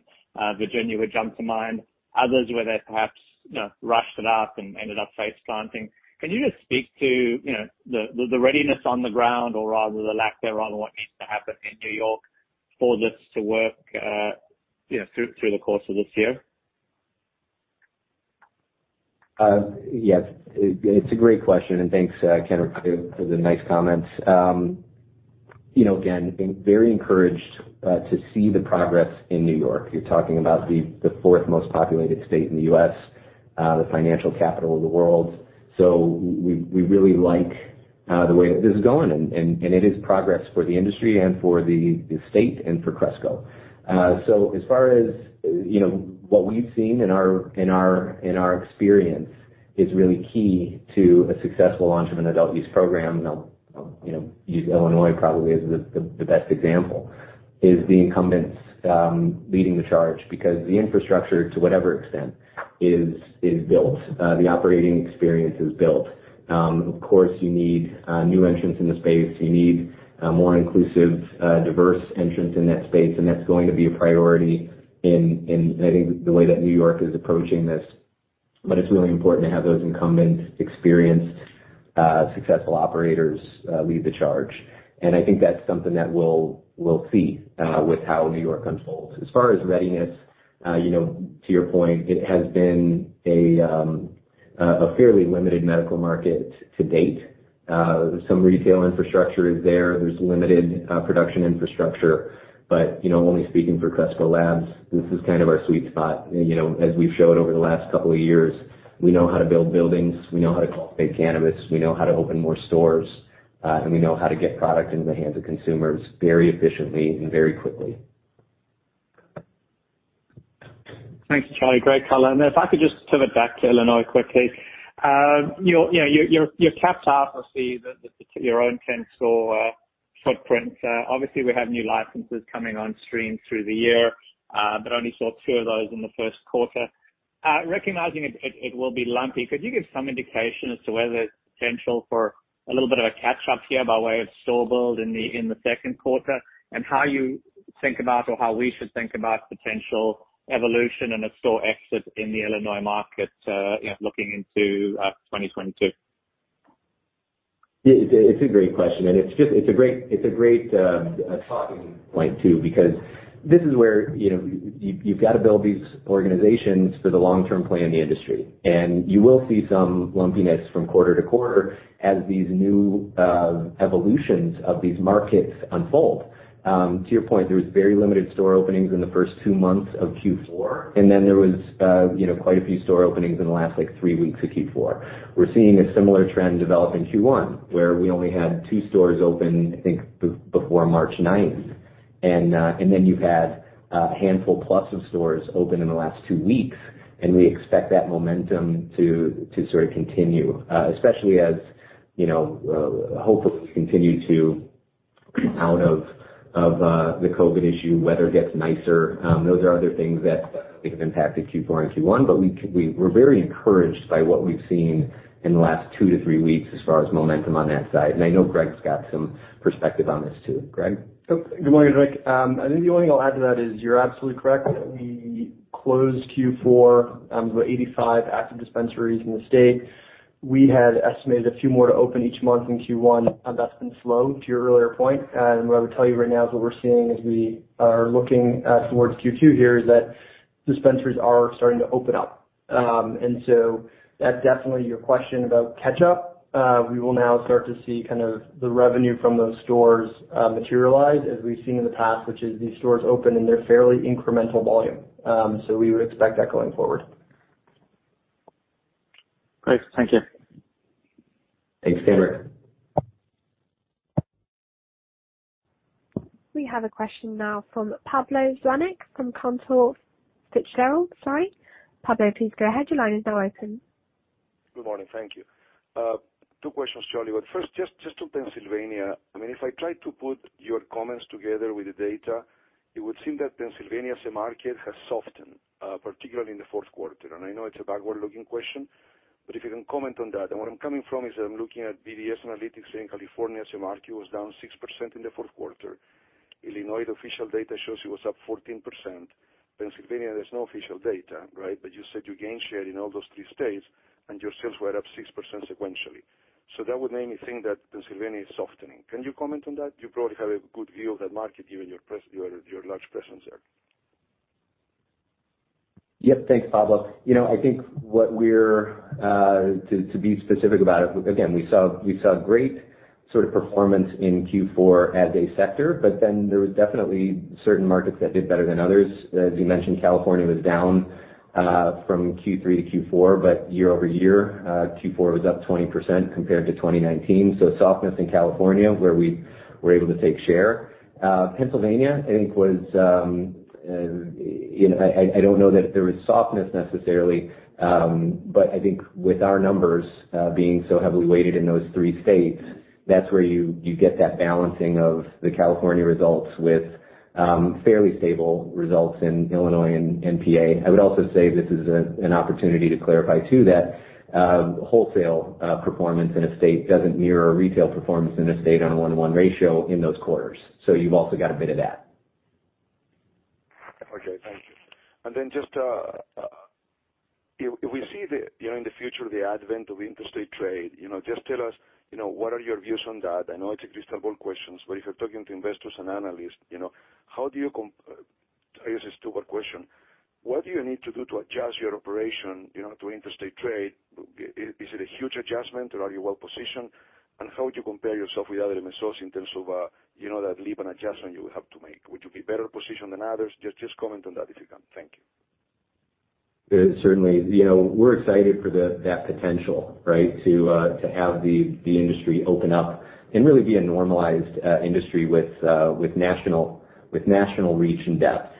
Virginia would jump to mind. Others, where they perhaps, you know, rushed it up and ended up face planting. Can you just speak to, you know, the readiness on the ground, or rather the lack thereof, and what needs to happen in New York for this to work, you know, through the course of this year? Yes, it, it's a great question, and thanks, Kenric, for the nice comments. You know, again, been very encouraged to see the progress in New York. You're talking about the fourth most populated state in the U.S., the financial capital of the world. So we really like the way that this is going, and it is progress for the industry and for the state and for Cresco. So as far as, you know, what we've seen in our experience is really key to a successful launch of an adult use program, and I'll, you know, use Illinois probably as the best example, is the incumbents leading the charge. Because the infrastructure, to whatever extent, is built, the operating experience is built. Of course, you need new entrants in the space. You need more inclusive, diverse entrants in that space, and that's going to be a priority in, I think, the way that New York is approaching this. But it's really important to have those incumbents experienced, successful operators lead the charge, and I think that's something that we'll see with how New York unfolds. As far as readiness, you know, to your point, it has been a fairly limited medical market to date. Some retail infrastructure is there. There's limited production infrastructure, but, you know, only speaking for Cresco Labs, this is kind of our sweet spot. You know, as we've shown over the last couple of years, we know how to build buildings, we know how to cultivate cannabis, we know how to open more stores, and we know how to get product into the hands of consumers very efficiently and very quickly. Thanks, Charlie. Great color. And if I could just pivot back to Illinois quickly. You know, your caps are obviously the your own 10-store footprint. Obviously, we have new licenses coming on stream through the year, but only saw two of those in the first quarter. Recognizing it will be lumpy, could you give some indication as to whether there's potential for a little bit of a catch-up here by way of store build in the second quarter? And how you think about or how we should think about potential evolution and the store exits in the Illinois market, you know, looking into 2022? Yeah, it's a great question, and it's just, it's a great talking point, too, because this is where, you know, you've got to build these organizations for the long-term play in the industry. And you will see some lumpiness from quarter to quarter as these new evolutions of these markets unfold. To your point, there was very limited store openings in the first two months of Q4, and then there was, you know, quite a few store openings in the last, like, three weeks of Q4. We're seeing a similar trend develop in Q1, where we only had two stores open, I think, before March ninth. Then you've had a handful plus of stores open in the last two weeks, and we expect that momentum to sort of continue, especially as, you know, hopefully we continue to get out of the COVID issue, weather gets nicer. Those are other things that I think have impacted Q4 and Q1, but we're very encouraged by what we've seen in the last two to three weeks as far as momentum on that side. I know Greg's got some perspective on this, too. Greg? Oh, good morning, Ric. I think the only thing I'll add to that is you're absolutely correct. We closed Q4 with 85 active dispensaries in the state. We had estimated a few more to open each month in Q1, and that's been slow, to your earlier point. What I would tell you right now is what we're seeing as we are looking towards Q2 here is that dispensaries are starting to open up. And so that definitely your question about catch up, we will now start to see kind of the revenue from those stores materialize as we've seen in the past, which is these stores open, and they're fairly incremental volume. So we would expect that going forward. Great. Thank you. Thanks, Cameron. We have a question now from Pablo Zuanic, from Cantor Fitzgerald. Sorry. Pablo, please go ahead. Your line is now open. Good morning. Thank you. Two questions to all of you. First, just to Pennsylvania. I mean, if I try to put your comments together with the data, it would seem that Pennsylvania as a market has softened, particularly in the fourth quarter. And I know it's a backward-looking question, but if you can comment on that. And where I'm coming from is I'm looking at BDS Analytics in California, the market was down 6% in the fourth quarter. Illinois, official data shows it was up 14%. Pennsylvania, there's no official data, right? But you said you gained share in all those three states, and your sales were up 6% sequentially. So that would make me think that Pennsylvania is softening. Can you comment on that? You probably have a good view of that market, given your large presence there. Yep. Thanks, Pablo. You know, I think what we're to be specific about it, again, we saw great sort of performance in Q4 as a sector, but then there was definitely certain markets that did better than others. As you mentioned, California was down from Q3 to Q4, but year over year, Q4 was up 20% compared to 2019. So softness in California, where we were able to take share. Pennsylvania, I think, was, you know, I don't know that there was softness necessarily, but I think with our numbers being so heavily weighted in those three states, that's where you get that balancing of the California results with fairly stable results in Illinois and PA. I would also say this is an opportunity to clarify, too, that wholesale performance in a state doesn't mirror retail performance in a state on a one-to-one ratio in those quarters. So you've also got a bit of that. Okay, thank you. And then just if we see, you know, in the future, the advent of interstate trade, you know, just tell us, you know, what are your views on that? I know it's a crystal ball question, but if you're talking to investors and analysts, you know, how do you, I guess it's two-part question: What do you need to do to adjust your operation, you know, to interstate trade? Is it a huge adjustment or are you well positioned? And how would you compare yourself with other MSOs in terms of, you know, that leap and adjustment you would have to make? Would you be better positioned than others? Just comment on that, if you can. Thank you. Certainly, you know, we're excited for that potential, right? To have the industry open up and really be a normalized industry with national reach and depth.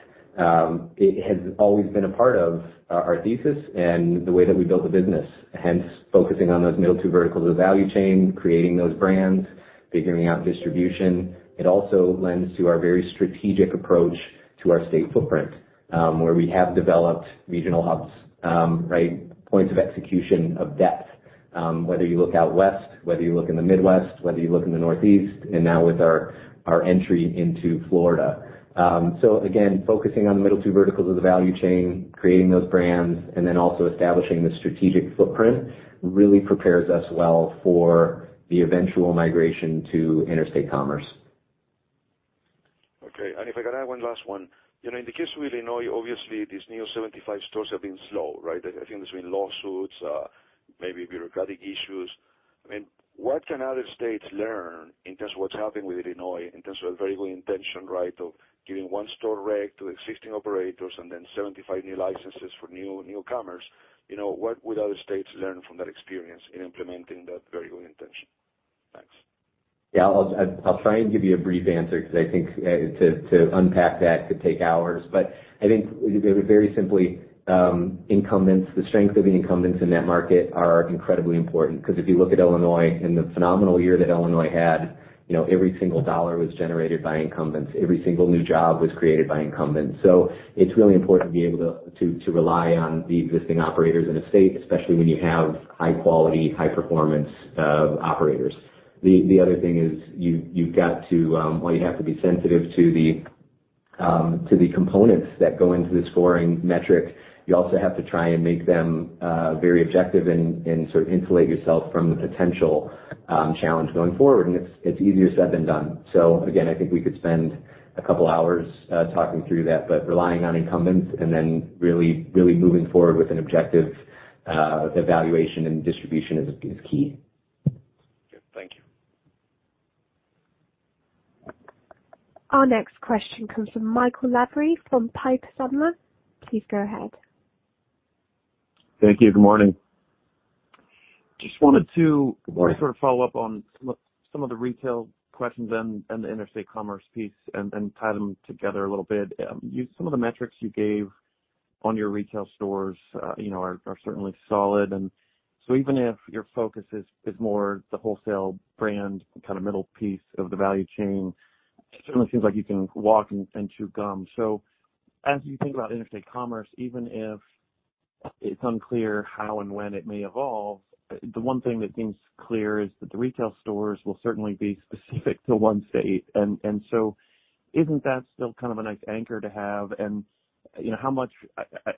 It has always been a part of our thesis and the way that we built the business, hence, focusing on those middle two verticals of value chain, creating those brands, figuring out distribution. It also lends to our very strategic approach to our state footprint, where we have developed regional hubs, right? Points of execution of depth, whether you look out west, whether you look in the Midwest, whether you look in the Northeast, and now with our entry into Florida. So again, focusing on the middle two verticals of the value chain, creating those brands, and then also establishing the strategic footprint, really prepares us well for the eventual migration to interstate commerce. Okay. And if I can add one last one. You know, in the case of Illinois, obviously, these new 75 stores have been slow, right? I think there's been lawsuits, maybe bureaucratic issues. I mean, what can other states learn in terms of what's happening with Illinois, in terms of a very good intention, right, of giving one store rec to existing operators and then 75 new licenses for new, newcomers? You know, what would other states learn from that experience in implementing that very good intention? Thanks. Yeah, I'll try and give you a brief answer, because I think to unpack that could take hours. But I think very simply, incumbents, the strength of the incumbents in that market are incredibly important, because if you look at Illinois and the phenomenal year that Illinois had, you know, every single dollar was generated by incumbents. Every single new job was created by incumbents. So it's really important to be able to rely on the existing operators in a state, especially when you have high quality, high performance operators. The other thing is you've got to, well, you have to be sensitive to the components that go into the scoring metric. You also have to try and make them very objective and sort of insulate yourself from the potential challenge going forward. And it's easier said than done. So again, I think we could spend a couple hours talking through that, but relying on incumbents and then really, really moving forward with an objective evaluation and distribution is key. Okay. Thank you. Our next question comes from Michael Lavery, from Piper Sandler. Please go ahead. Thank you. Good morning. Just wanted to sort of follow up on some of the retail questions and the interstate commerce piece and tie them together a little bit. Some of the metrics you gave on your retail stores, you know, are certainly solid. And so even if your focus is more the wholesale brand, kind of, middle piece of the value chain, it certainly seems like you can walk and chew gum. So as you think about interstate commerce, even if it's unclear how and when it may evolve, the one thing that seems clear is that the retail stores will certainly be specific to one state. And so isn't that still kind of a nice anchor to have? And, you know, how much,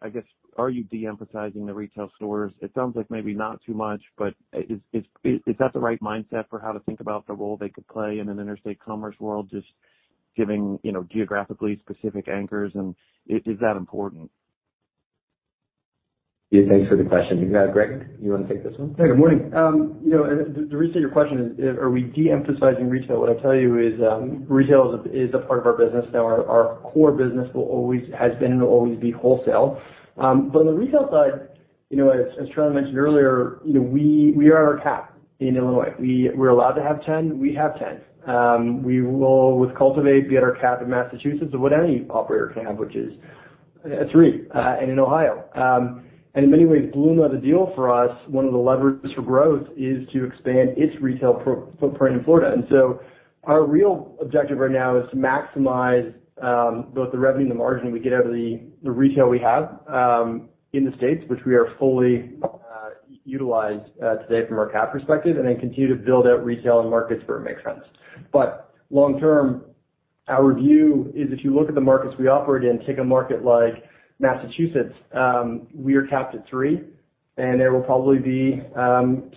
I guess, are you de-emphasizing the retail stores? It sounds like maybe not too much, but is that the right mindset for how to think about the role they could play in an interstate commerce world, just giving, you know, geographically specific anchors, and is that important? Yeah, thanks for the question. You have Greg, you want to take this one? Hey, good morning. You know, the reason your question is, are we de-emphasizing retail? What I'll tell you is, retail is a part of our business. Now, our core business will always has been and will always be wholesale. But on the retail side, you know, as Charlie mentioned earlier, you know, we are at our cap in Illinois. We're allowed to have 10; we have 10. We will, with Cultivate, be at our cap in Massachusetts of what any operator can have, which is three, and in Ohio. And in many ways, Bluma is a deal for us; one of the levers for growth is to expand its retail footprint in Florida. And so our real objective right now is to maximize both the revenue and the margin we get out of the retail we have in the states, which we are fully utilized today from our cap perspective, and then continue to build out retail and markets where it makes sense. But long term, our view is if you look at the markets we operate in, take a market like Massachusetts, we are capped at three, and there will probably be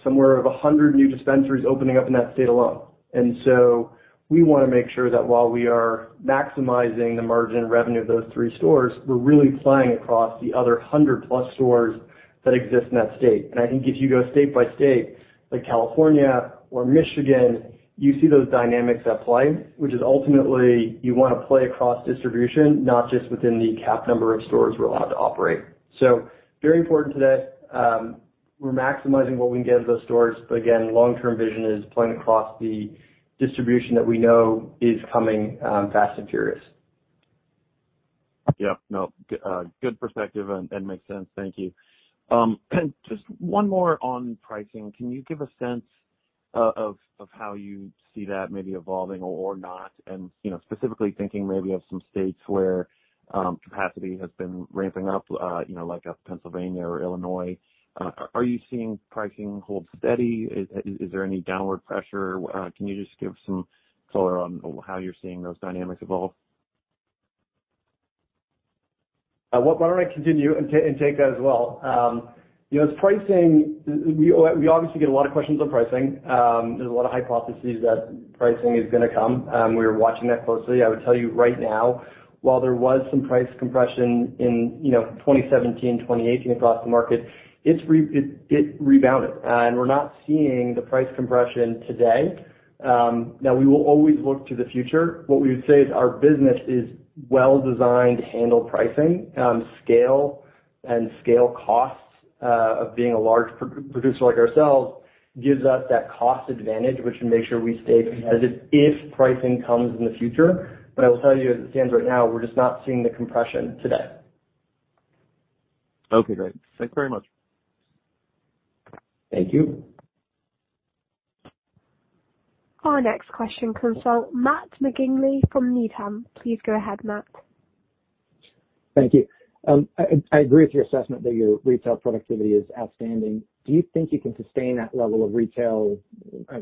somewhere of a hundred new dispensaries opening up in that state alone. And so we want to make sure that while we are maximizing the margin revenue of those three stores, we're really playing across the other hundred plus stores that exist in that state. And I think if you go state by state, like California or Michigan, you see those dynamics at play, which is ultimately you want to play across distribution, not just within the cap number of stores we're allowed to operate. So very important today, we're maximizing what we can get out of those stores. But again, long-term vision is playing across the distribution that we know is coming, fast and furious. Yeah. No, good perspective and makes sense. Thank you. And just one more on pricing. Can you give a sense of how you see that maybe evolving or not? And, you know, specifically thinking maybe of some states where capacity has been ramping up, you know, like Pennsylvania or Illinois. Are you seeing pricing hold steady? Is there any downward pressure? Can you just give some color on how you're seeing those dynamics evolve? Why don't I continue and take that as well? You know, as pricing, we obviously get a lot of questions on pricing. There's a lot of hypotheses that pricing is going to come, we're watching that closely. I would tell you right now, while there was some price compression in, you know, 2017, 2018, across the market, it rebounded, and we're not seeing the price compression today. Now we will always look to the future. What we would say is our business is well designed to handle pricing, scale and scale costs of being a large producer like ourselves, gives us that cost advantage, which can make sure we stay competitive if pricing comes in the future. But I will tell you, as it stands right now, we're just not seeing the compression today. Okay, great. Thanks very much. Thank you. Our next question comes from Matt McGinley from Needham. Please go ahead, Matt. Thank you. I agree with your assessment that your retail productivity is outstanding. Do you think you can sustain that level of retail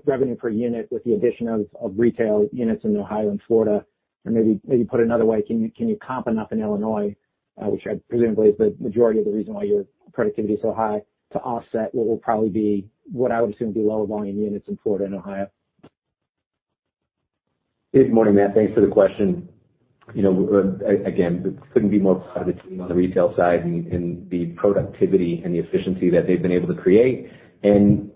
revenue per unit with the addition of retail units in Ohio and Florida? Or maybe put another way, can you comp enough in Illinois, which I presumably is the majority of the reason why your productivity is so high, to offset what will probably be, what I would assume to be lower volume units in Florida and Ohio? Good morning, Matt. Thanks for the question. You know, again, couldn't be more proud of the team on the retail side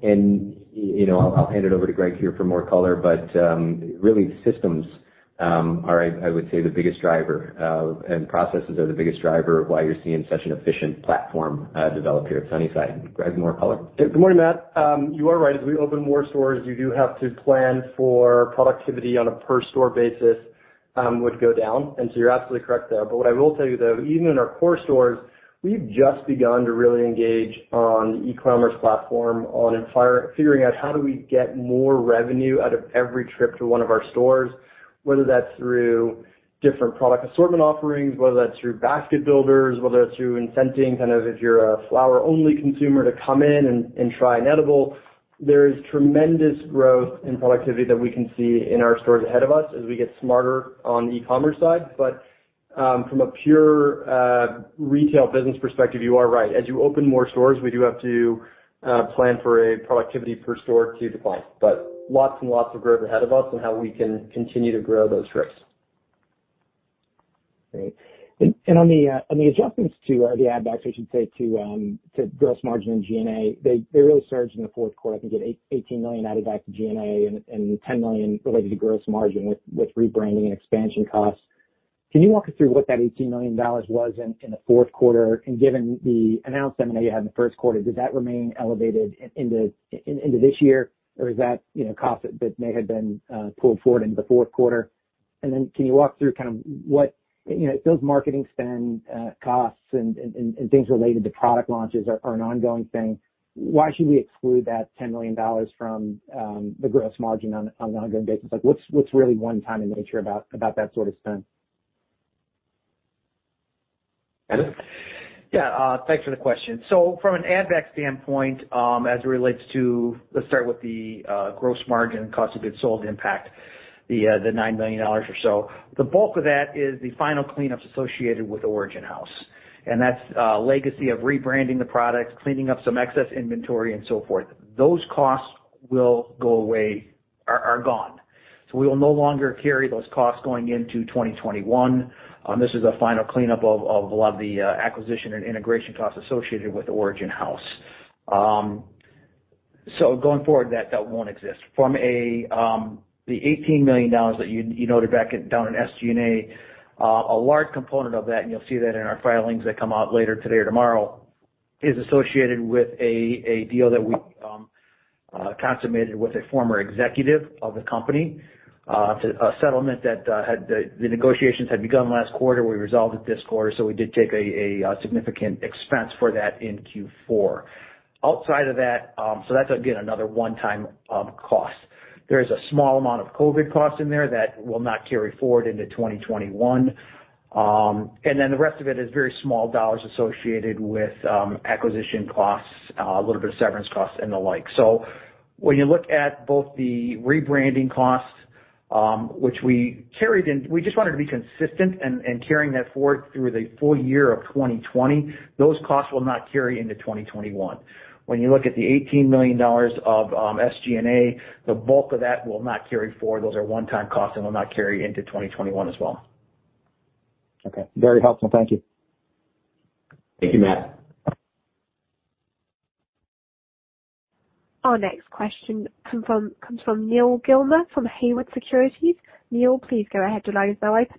and, you know, I'll hand it over to Greg here for more color, but really, systems are, I would say, the biggest driver, and processes are the biggest driver of why you're seeing such an efficient platform develop here at Sunnyside. Greg, more color. Good morning, Matt. You are right. As we open more stores, you do have to plan for productivity on a per store basis, would go down. So you're absolutely correct there. But what I will tell you, though, even in our core stores, we've just begun to really engage on e-commerce platform, on figuring out how do we get more revenue out of every trip to one of our stores, whether that's through different product assortment offerings, whether that's through basket builders, whether that's through incenting, kind of, if you're a flower-only consumer, to come in and try an edible. There is tremendous growth in productivity that we can see in our stores ahead of us as we get smarter on the e-commerce side. But, from a pure, retail business perspective, you are right. As you open more stores, we do have to plan for a productivity per store to decline, but lots and lots of growth ahead of us and how we can continue to grow those trips. Great. And on the adjustments to the add-backs, I should say, to gross margin in SG&A, they really surged in the fourth quarter. I think you had $18 million added back to SG&A and $10 million related to gross margin with rebranding and expansion costs. Can you walk us through what that $18 million was in the fourth quarter? And given the announcement that you had in the first quarter, does that remain elevated into this year? Or is that, you know, cost that may have been pulled forward into the fourth quarter? And then can you walk through kind of what, you know, those marketing spend costs and things related to product launches are an ongoing thing. Why should we exclude that $10 million from the gross margin on an ongoing basis? Like, what's really one time in nature about that sort of spend? Dennis? Yeah, thanks for the question. So from an add-back standpoint, as it relates to. Let's start with the gross margin cost of goods sold impact, the $9 million or so. The bulk of that is the final cleanups associated with Origin House, and that's a legacy of rebranding the products, cleaning up some excess inventory, and so forth. Those costs will go away, are gone. So we will no longer carry those costs going into 2021. This is a final cleanup of a lot of the acquisition and integration costs associated with Origin House. So going forward, that won't exist. From the $18 million that you noted back down in SG&A, a large component of that, and you'll see that in our filings that come out later today or tomorrow, is associated with a deal that we consummated with a former executive of the company. It's a settlement that the negotiations had begun last quarter, we resolved it this quarter, so we did take a significant expense for that in Q4. Outside of that, so that's again, another one time cost. There is a small amount of COVID costs in there that will not carry forward into 2021. And then the rest of it is very small dollars associated with acquisition costs, a little bit of severance costs and the like. When you look at both the rebranding costs, which we carried in. We just wanted to be consistent in carrying that forward through the full year of 2020, those costs will not carry into 2021. When you look at the $18 million of SG&A, the bulk of that will not carry forward. Those are one-time costs and will not carry into 2021 as well. Okay. Very helpful. Thank you. Thank you, Matt. Our next question comes from Neal Gilmer from Haywood Securities. Neal, please go ahead. Your lines are open.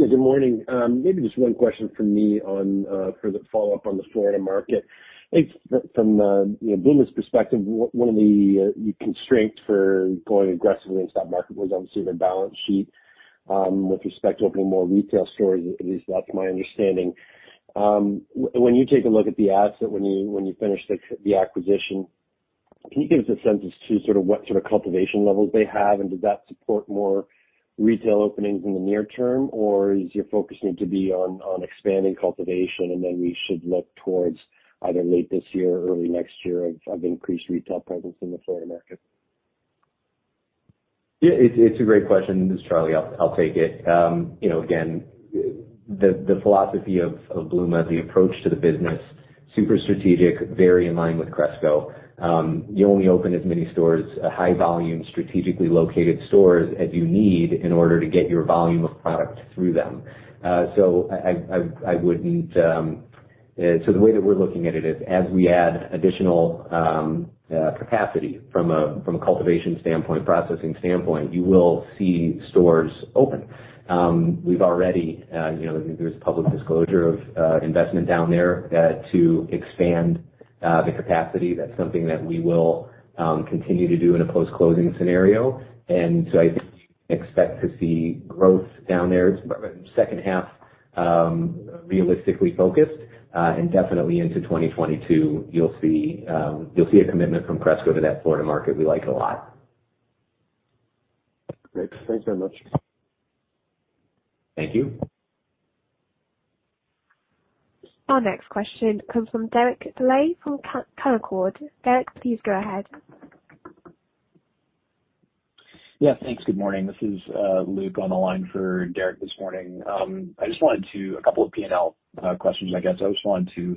Yeah, good morning. Maybe just one question from me on for the follow-up on the Florida market. I think from you know, Bluma's perspective, one of the constraints for going aggressively in stock market was obviously the balance sheet with respect to opening more retail stores, at least that's my understanding. When you take a look at the asset, when you finish the acquisition, can you give us a sense as to sort of what sort of cultivation levels they have, and does that support more retail openings in the near term? Or is your focus need to be on expanding cultivation, and then we should look towards either late this year or early next year of increased retail presence in the Florida market? Yeah, it's a great question. This is Charlie. I'll take it. You know, again, the philosophy of Bluma, the approach to the business, super strategic, very in line with Cresco. You only open as many stores, high volume, strategically located stores, as you need in order to get your volume of product through them. So the way that we're looking at it is as we add additional capacity from a cultivation standpoint, processing standpoint, you will see stores open. We've already, you know, there's public disclosure of investment down there to expand the capacity. That's something that we will continue to do in a post-closing scenario. And so I think expect to see growth down there second half, realistically focused, and definitely into 2022, you'll see a commitment from Cresco to that Florida market. We like it a lot. Great. Thanks very much. Thank you. Our next question comes from Derek Dley from Canaccord Genuity. Derek, please go ahead. Yeah, thanks. Good morning. This is Luke on the line for Derek this morning. I just wanted to, a couple of P&L questions, I guess. I just wanted to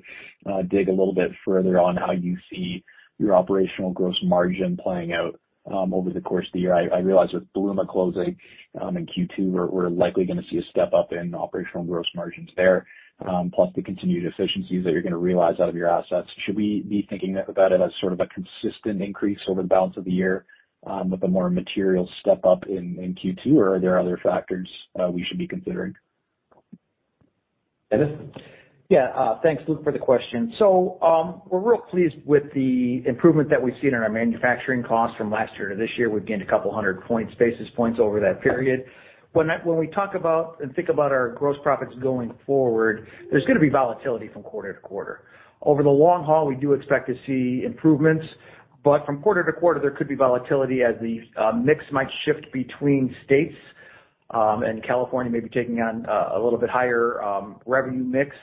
dig a little bit further on how you see your operational gross margin playing out over the course of the year. I realize with Bluma closing in Q2, we're likely gonna see a step up in operational gross margins there, plus the continued efficiencies that you're gonna realize out of your assets. Should we be thinking about it as sort of a consistent increase over the balance of the year with a more material step up in Q2, or are there other factors we should be considering? Dennis? Yeah, thanks, Luke, for the question. So, we're real pleased with the improvement that we've seen in our manufacturing costs from last year to this year. We've gained a couple hundred points, basis points over that period. When we talk about and think about our gross profits going forward, there's gonna be volatility from quarter to quarter. Over the long haul, we do expect to see improvements, but from quarter to quarter, there could be volatility as the mix might shift between states, and California may be taking on a little bit higher revenue mix.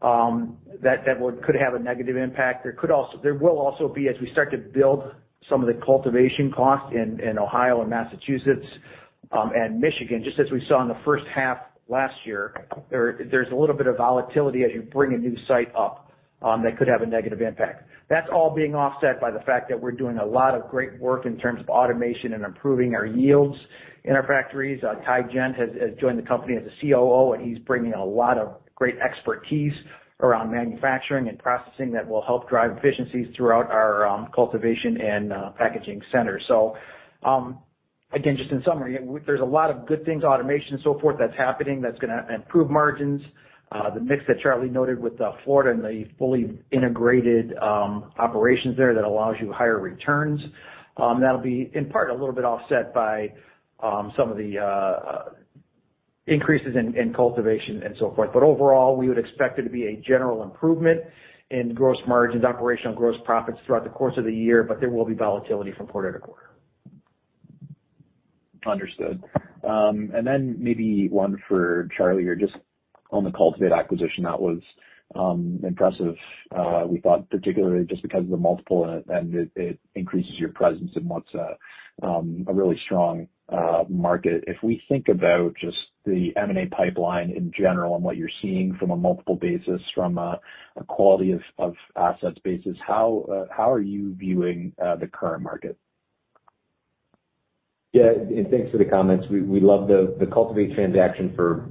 That could have a negative impact. There will also be, as we start to build some of the cultivation costs in Ohio and Massachusetts, and Michigan, just as we saw in the first half last year, there's a little bit of volatility as you bring a new site up, that could have a negative impact. That's all being offset by the fact that we're doing a lot of great work in terms of automation and improving our yields in our factories. Ty Gent has joined the company as a COO, and he's bringing a lot of great expertise around manufacturing and processing that will help drive efficiencies throughout our cultivation and packaging center. Again, just in summary, there's a lot of good things, automation, and so forth, that's happening, that's gonna improve margins. The mix that Charlie noted with Florida and the fully integrated operations there that allows you higher returns, that'll be in part, a little bit offset by some of the increases in cultivation and so forth, but overall, we would expect there to be a general improvement in gross margins, operational gross profits throughout the course of the year, but there will be volatility from quarter to quarter. Understood. And then maybe one for Charlie, or just on the Cultivate acquisition, that was impressive, we thought, particularly just because of the multiple, and it increases your presence in what's a really strong market. If we think about just the M&A pipeline in general and what you're seeing from a multiple basis, from a quality of assets basis, how are you viewing the current market? Yeah, and thanks for the comments. We love the Cultivate transaction for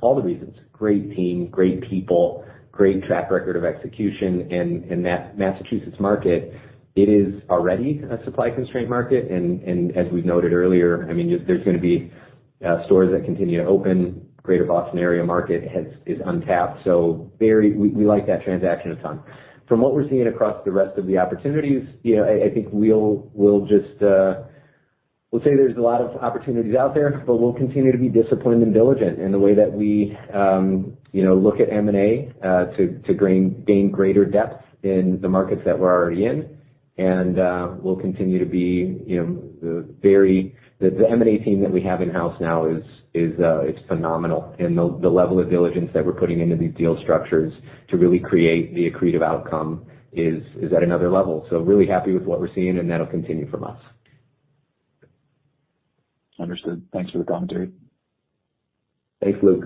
all the reasons, great team, great people, great track record of execution. And that Massachusetts market, it is already a supply-constrained market. And as we've noted earlier, I mean, there's gonna be stores that continue to open. Greater Boston area market is untapped, so very we like that transaction a ton. From what we're seeing across the rest of the opportunities, you know, I think we'll just say there's a lot of opportunities out there, but we'll continue to be disciplined and diligent in the way that we you know look at M&A to gain greater depth in the markets that we're already in. And we'll continue to be, you know, the very. The M&A team that we have in-house now is phenomenal, and the level of diligence that we're putting into these deal structures to really create the accretive outcome is at another level. So, really happy with what we're seeing, and that'll continue from us. Understood. Thanks for the commentary. Thanks, Luke.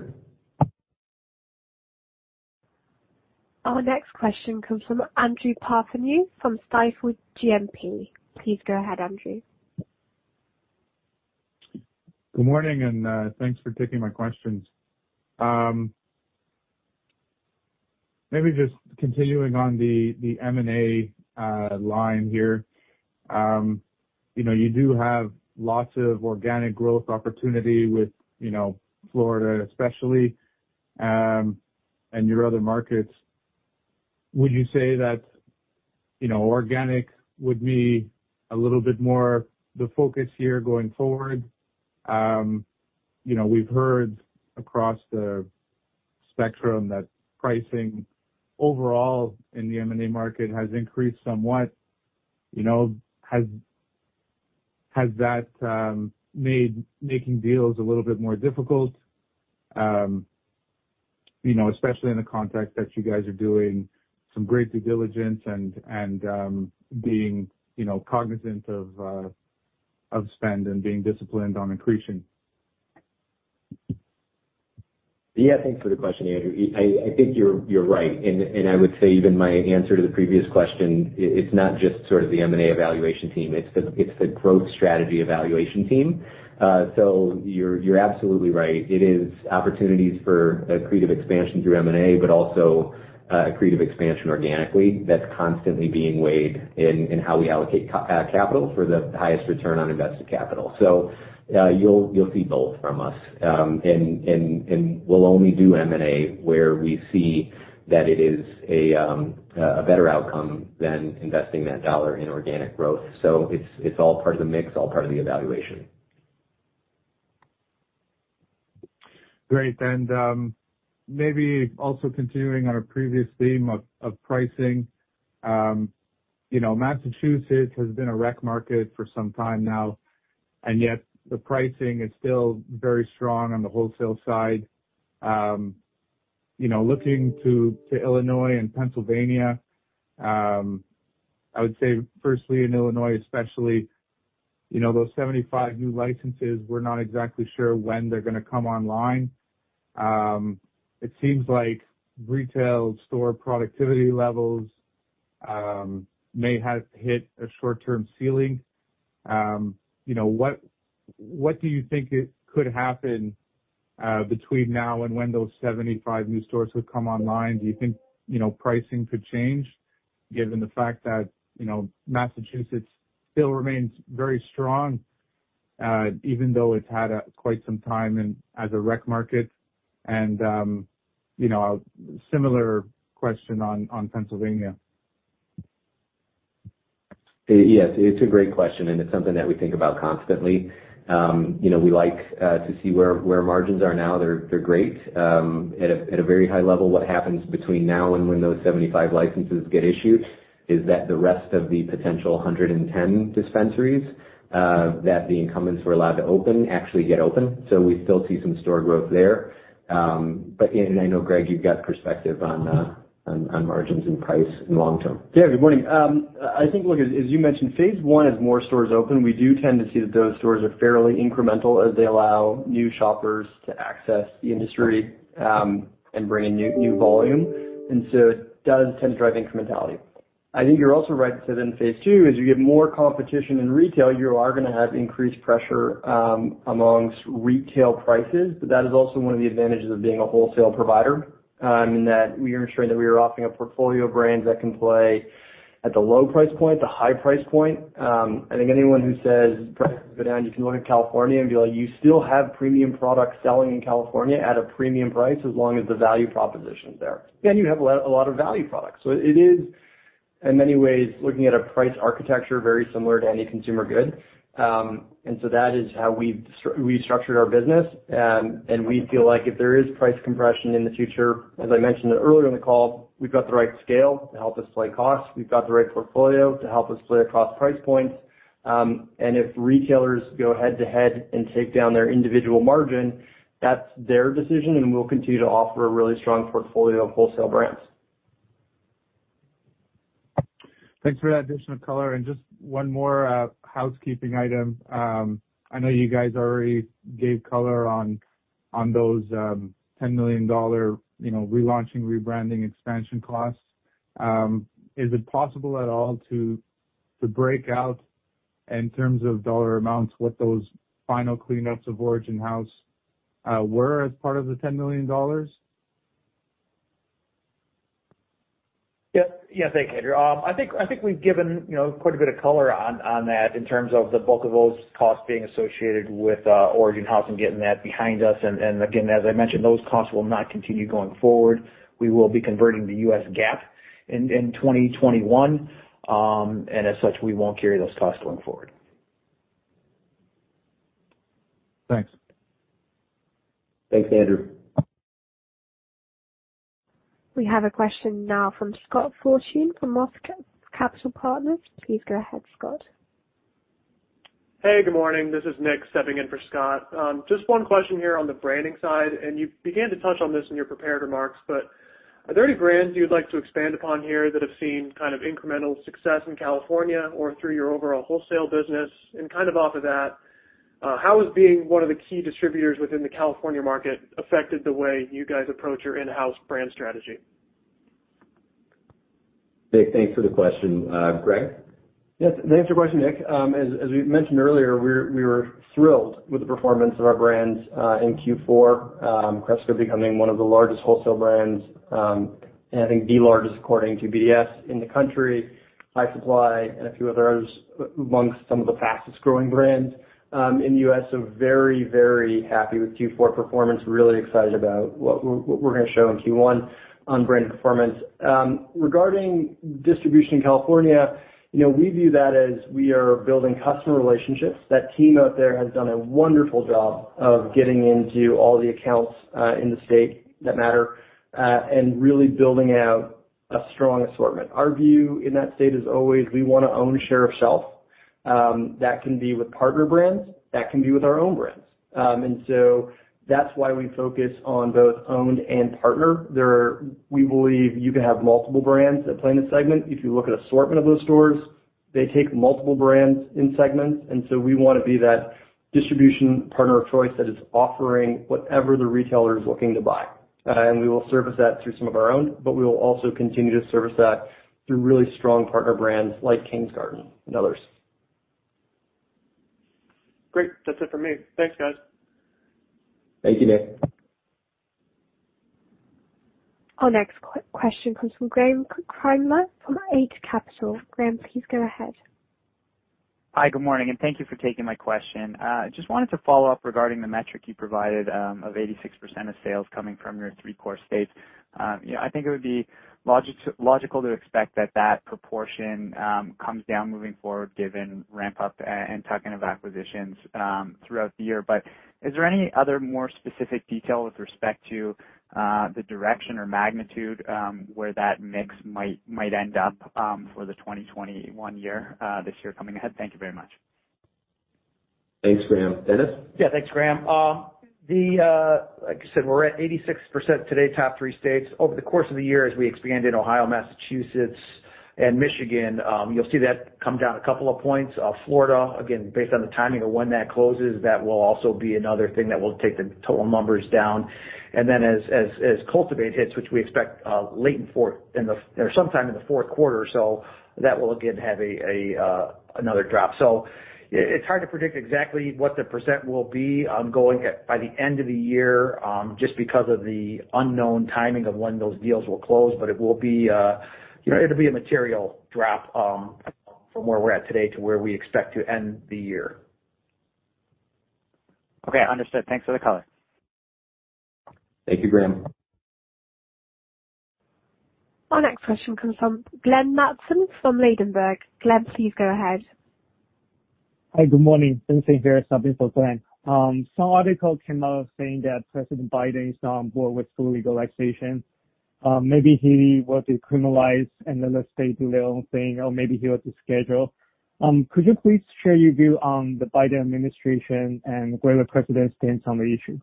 Our next question comes from Andrew Partheniou from Stifel GMP. Please go ahead, Andrew. Good morning, and, thanks for taking my questions. Maybe just continuing on the M&A line here. You know, you do have lots of organic growth opportunity with, you know, Florida especially, and your other markets. Would you say that, you know, organic would be a little bit more the focus here going forward? You know, we've heard across the spectrum that pricing overall in the M&A market has increased somewhat. You know, has that made making deals a little bit more difficult? You know, especially in the context that you guys are doing some great due diligence and being, you know, cognizant of spend and being disciplined on accretion. Yeah, thanks for the question, Andrew. I think you're right, and I would say even my answer to the previous question, it's not just sort of the M&A evaluation team, it's the growth strategy evaluation team. So you're absolutely right. It is opportunities for accretive expansion through M&A, but also accretive expansion organically, that's constantly being weighed in how we allocate capital for the highest return on invested capital. So you'll see both from us. And we'll only do M&A, where we see that it is a better outcome than investing that dollar in organic growth. So it's all part of the mix, all part of the evaluation. Great. And, maybe also continuing on a previous theme of pricing. You know, Massachusetts has been a rec market for some time now, and yet the pricing is still very strong on the wholesale side. You know, looking to Illinois and Pennsylvania, I would say firstly, in Illinois especially, you know, those 75 new licenses, we're not exactly sure when they're gonna come online. It seems like retail store productivity levels may have hit a short-term ceiling. You know, what do you think could happen between now and when those 75 new stores would come online? Do you think, you know, pricing could change, given the fact that, you know, Massachusetts still remains very strong, even though it's had quite some time as a rec market? And, you know, a similar question on Pennsylvania. Yes, it's a great question, and it's something that we think about constantly. You know, we like to see where margins are now. They're great. At a very high level, what happens between now and when those 75 licenses get issued is that the rest of the potential one hundred and ten dispensaries that the incumbents were allowed to open actually get open. So we still see some store growth there. But and I know, Greg, you've got perspective on margins and price in long term. Yeah, good morning. I think, look, as you mentioned, phase one as more stores open, we do tend to see that those stores are fairly incremental as they allow new shoppers to access the industry, and bring in new volume, and so it does tend to drive incrementality. I think you're also right to say that in phase two, as you get more competition in retail, you are gonna have increased pressure among retail prices, but that is also one of the advantages of being a wholesale provider, in that we are ensuring that we are offering a portfolio of brands that can play at the low price point, the high price point. I think anyone who says price war, you can look at California and be like, you still have premium products selling in California at a premium price, as long as the value proposition is there, and you have a lot, a lot of value products. So it is, in many ways, looking at a price architecture very similar to any consumer good, and so that is how we've restructured our business. And we feel like if there is price compression in the future, as I mentioned earlier in the call, we've got the right scale to help us play costs, we've got the right portfolio to help us play across price points, and if retailers go head-to-head and take down their individual margin, that's their decision, and we'll continue to offer a really strong portfolio of wholesale brands. Thanks for that additional color. And just one more housekeeping item. I know you guys already gave color on those $10 million, you know, relaunching, rebranding expansion costs. Is it possible at all to break out in terms of dollar amounts, what those final cleanups of Origin House were as part of the $10 million? Yep. Yeah, thanks, Andrew. I think we've given, you know, quite a bit of color on that in terms of the bulk of those costs being associated with Origin House and getting that behind us. And again, as I mentioned, those costs will not continue going forward. We will be converting to U.S. GAAP in 2021. And as such, we won't carry those costs going forward. Thanks. Thanks, Andrew. We have a question now from Scott Fortune from Roth Capital Partners. Please go ahead, Scott. Hey, good morning. This is Nick stepping in for Scott. Just one question here on the branding side, and you began to touch on this in your prepared remarks, but are there any brands you'd like to expand upon here that have seen kind of incremental success in California or through your overall wholesale business? And kind of off of that, how has being one of the key distributors within the California market affected the way you guys approach your in-house brand strategy? Nick, thanks for the question. Greg? Yes, thanks for your question, Nick. As we mentioned earlier, we were thrilled with the performance of our brands in Q4. Cresco becoming one of the largest wholesale brands, and I think the largest, according to BDS, in the country, High Supply and a few others amongst some of the fastest growing brands in the US. So very, very happy with Q4 performance. Really excited about what we're gonna show in Q1 on brand performance. Regarding distribution in California, you know, we view that as we are building customer relationships. That team out there has done a wonderful job of getting into all the accounts in the state that matter, and really building out a strong assortment. Our view in that state is always we wanna own a share of shelf. That can be with partner brands, that can be with our own brands, and so that's why we focus on both owned and partner. We believe you can have multiple brands that play in a segment. If you look at assortment of those stores, they take multiple brands in segments, and so we wanna be that distribution partner of choice that is offering whatever the retailer is looking to buy, and we will service that through some of our own, but we will also continue to service that through really strong partner brands like Kings Garden and others. Great. That's it for me. Thanks, guys. Thank you, Nick. Our next question comes from Graeme Kreindler from Eight Capital. Graeme, please go ahead. Hi, good morning, and thank you for taking my question. Just wanted to follow up regarding the metric you provided, of 86% of sales coming from your three core states. You know, I think it would be logical to expect that proportion comes down moving forward, given ramp up and tuck-in of acquisitions, throughout the year. But is there any other more specific detail with respect to, the direction or magnitude, where that mix might end up, for the 2021 year, this year coming ahead? Thank you very much. Thanks, Graeme. Dennis? Yeah, thanks, Graeme. Like I said, we're at 86% today, top three states. Over the course of the year, as we expand in Ohio, Massachusetts, and Michigan, you'll see that come down a couple of points. Florida, again, based on the timing of when that closes, that will also be another thing that will take the total numbers down. And then as Cultivate hits, which we expect late in the fourth quarter, so that will again have another drop. So it's hard to predict exactly what the percent will be going to be by the end of the year, just because of the unknown timing of when those deals will close. But it will be, you know, it'll be a material drop from where we're at today to where we expect to end the year. Okay, understood. Thanks for the color. Thank you, Graeme. Our next question comes from Glenn Mattson from Ladenburg. Glenn, please go ahead. Hi, good morning. [audio distortion] here, stepping for Glenn. Some article came out saying that President Biden is on board with full legalization. Maybe he wants to decriminalize and let states do their own thing, or maybe he wants to schedule. Could you please share your view on the Biden administration and where the president stands on the issue?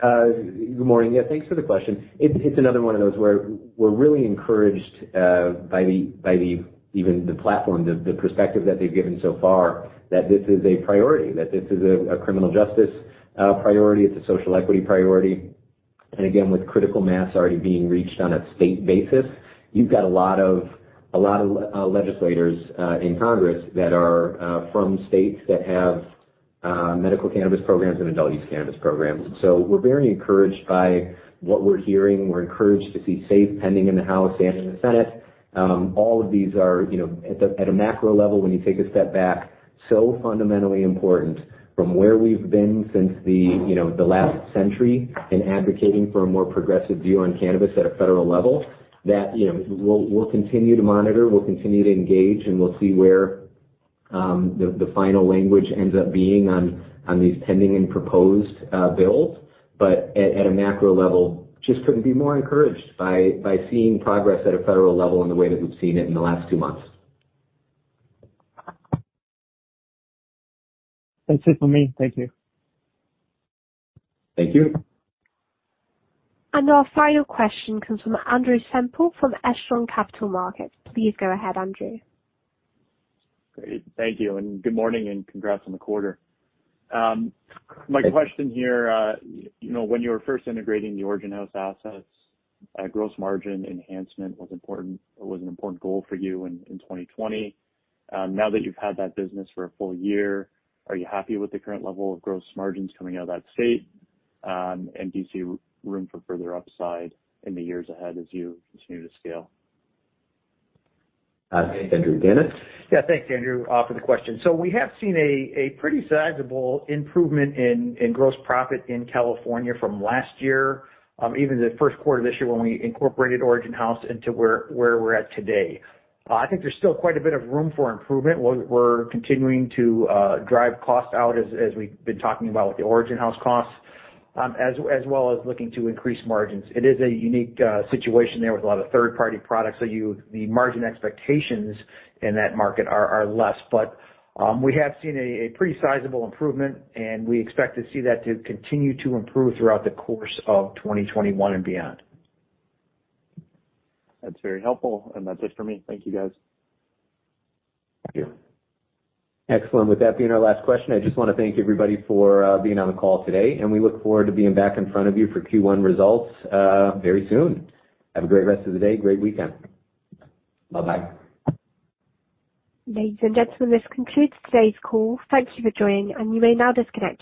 Good morning. Yeah, thanks for the question. It's another one of those where we're really encouraged by the even the platform, the perspective that they've given so far, that this is a priority, that this is a criminal justice priority, it's a social equity priority. And again, with critical mass already being reached on a state basis, you've got a lot of legislators in Congress that are from states that have medical cannabis programs and adult use cannabis programs. So we're very encouraged by what we're hearing. We're encouraged to see SAFE pending in the House and in the Senate. All of these are, you know, at a macro level, when you take a step back, so fundamentally important from where we've been since the, you know, the last century in advocating for a more progressive view on cannabis at a federal level, that, you know, we'll continue to monitor, we'll continue to engage, and we'll see where the final language ends up being on these pending and proposed bills. But at a macro level, just couldn't be more encouraged by seeing progress at a federal level in the way that we've seen it in the last two months. That's it for me. Thank you. Thank you. And our final question comes from Andrew Semple from Echelon Capital Markets. Please go ahead, Andrew. Great. Thank you, and good morning, and congrats on the quarter. My question here, you know, when you were first integrating the Origin House assets, gross margin enhancement was important, or was an important goal for you in 2020. Now that you've had that business for a full year, are you happy with the current level of gross margins coming out of that state, and do you see room for further upside in the years ahead as you continue to scale? Andrew, Dennis? Yeah, thanks, Andrew, for the question. So we have seen a pretty sizable improvement in gross profit in California from last year, even the first quarter of this year when we incorporated Origin House into where we're at today. I think there's still quite a bit of room for improvement. We're continuing to drive costs out, as we've been talking about with the Origin House costs, as well as looking to increase margins. It is a unique situation there with a lot of third-party products, so the margin expectations in that market are less. But, we have seen a pretty sizable improvement, and we expect to see that to continue to improve throughout the course of 2021 and beyond. That's very helpful, and that's it for me. Thank you, guys. Thank you. Excellent. With that being our last question, I just wanna thank everybody for being on the call today, and we look forward to being back in front of you for Q1 results, very soon. Have a great rest of the day. Great weekend. Bye-bye. Ladies and gentlemen, this concludes today's call. Thank you for joining, and you may now disconnect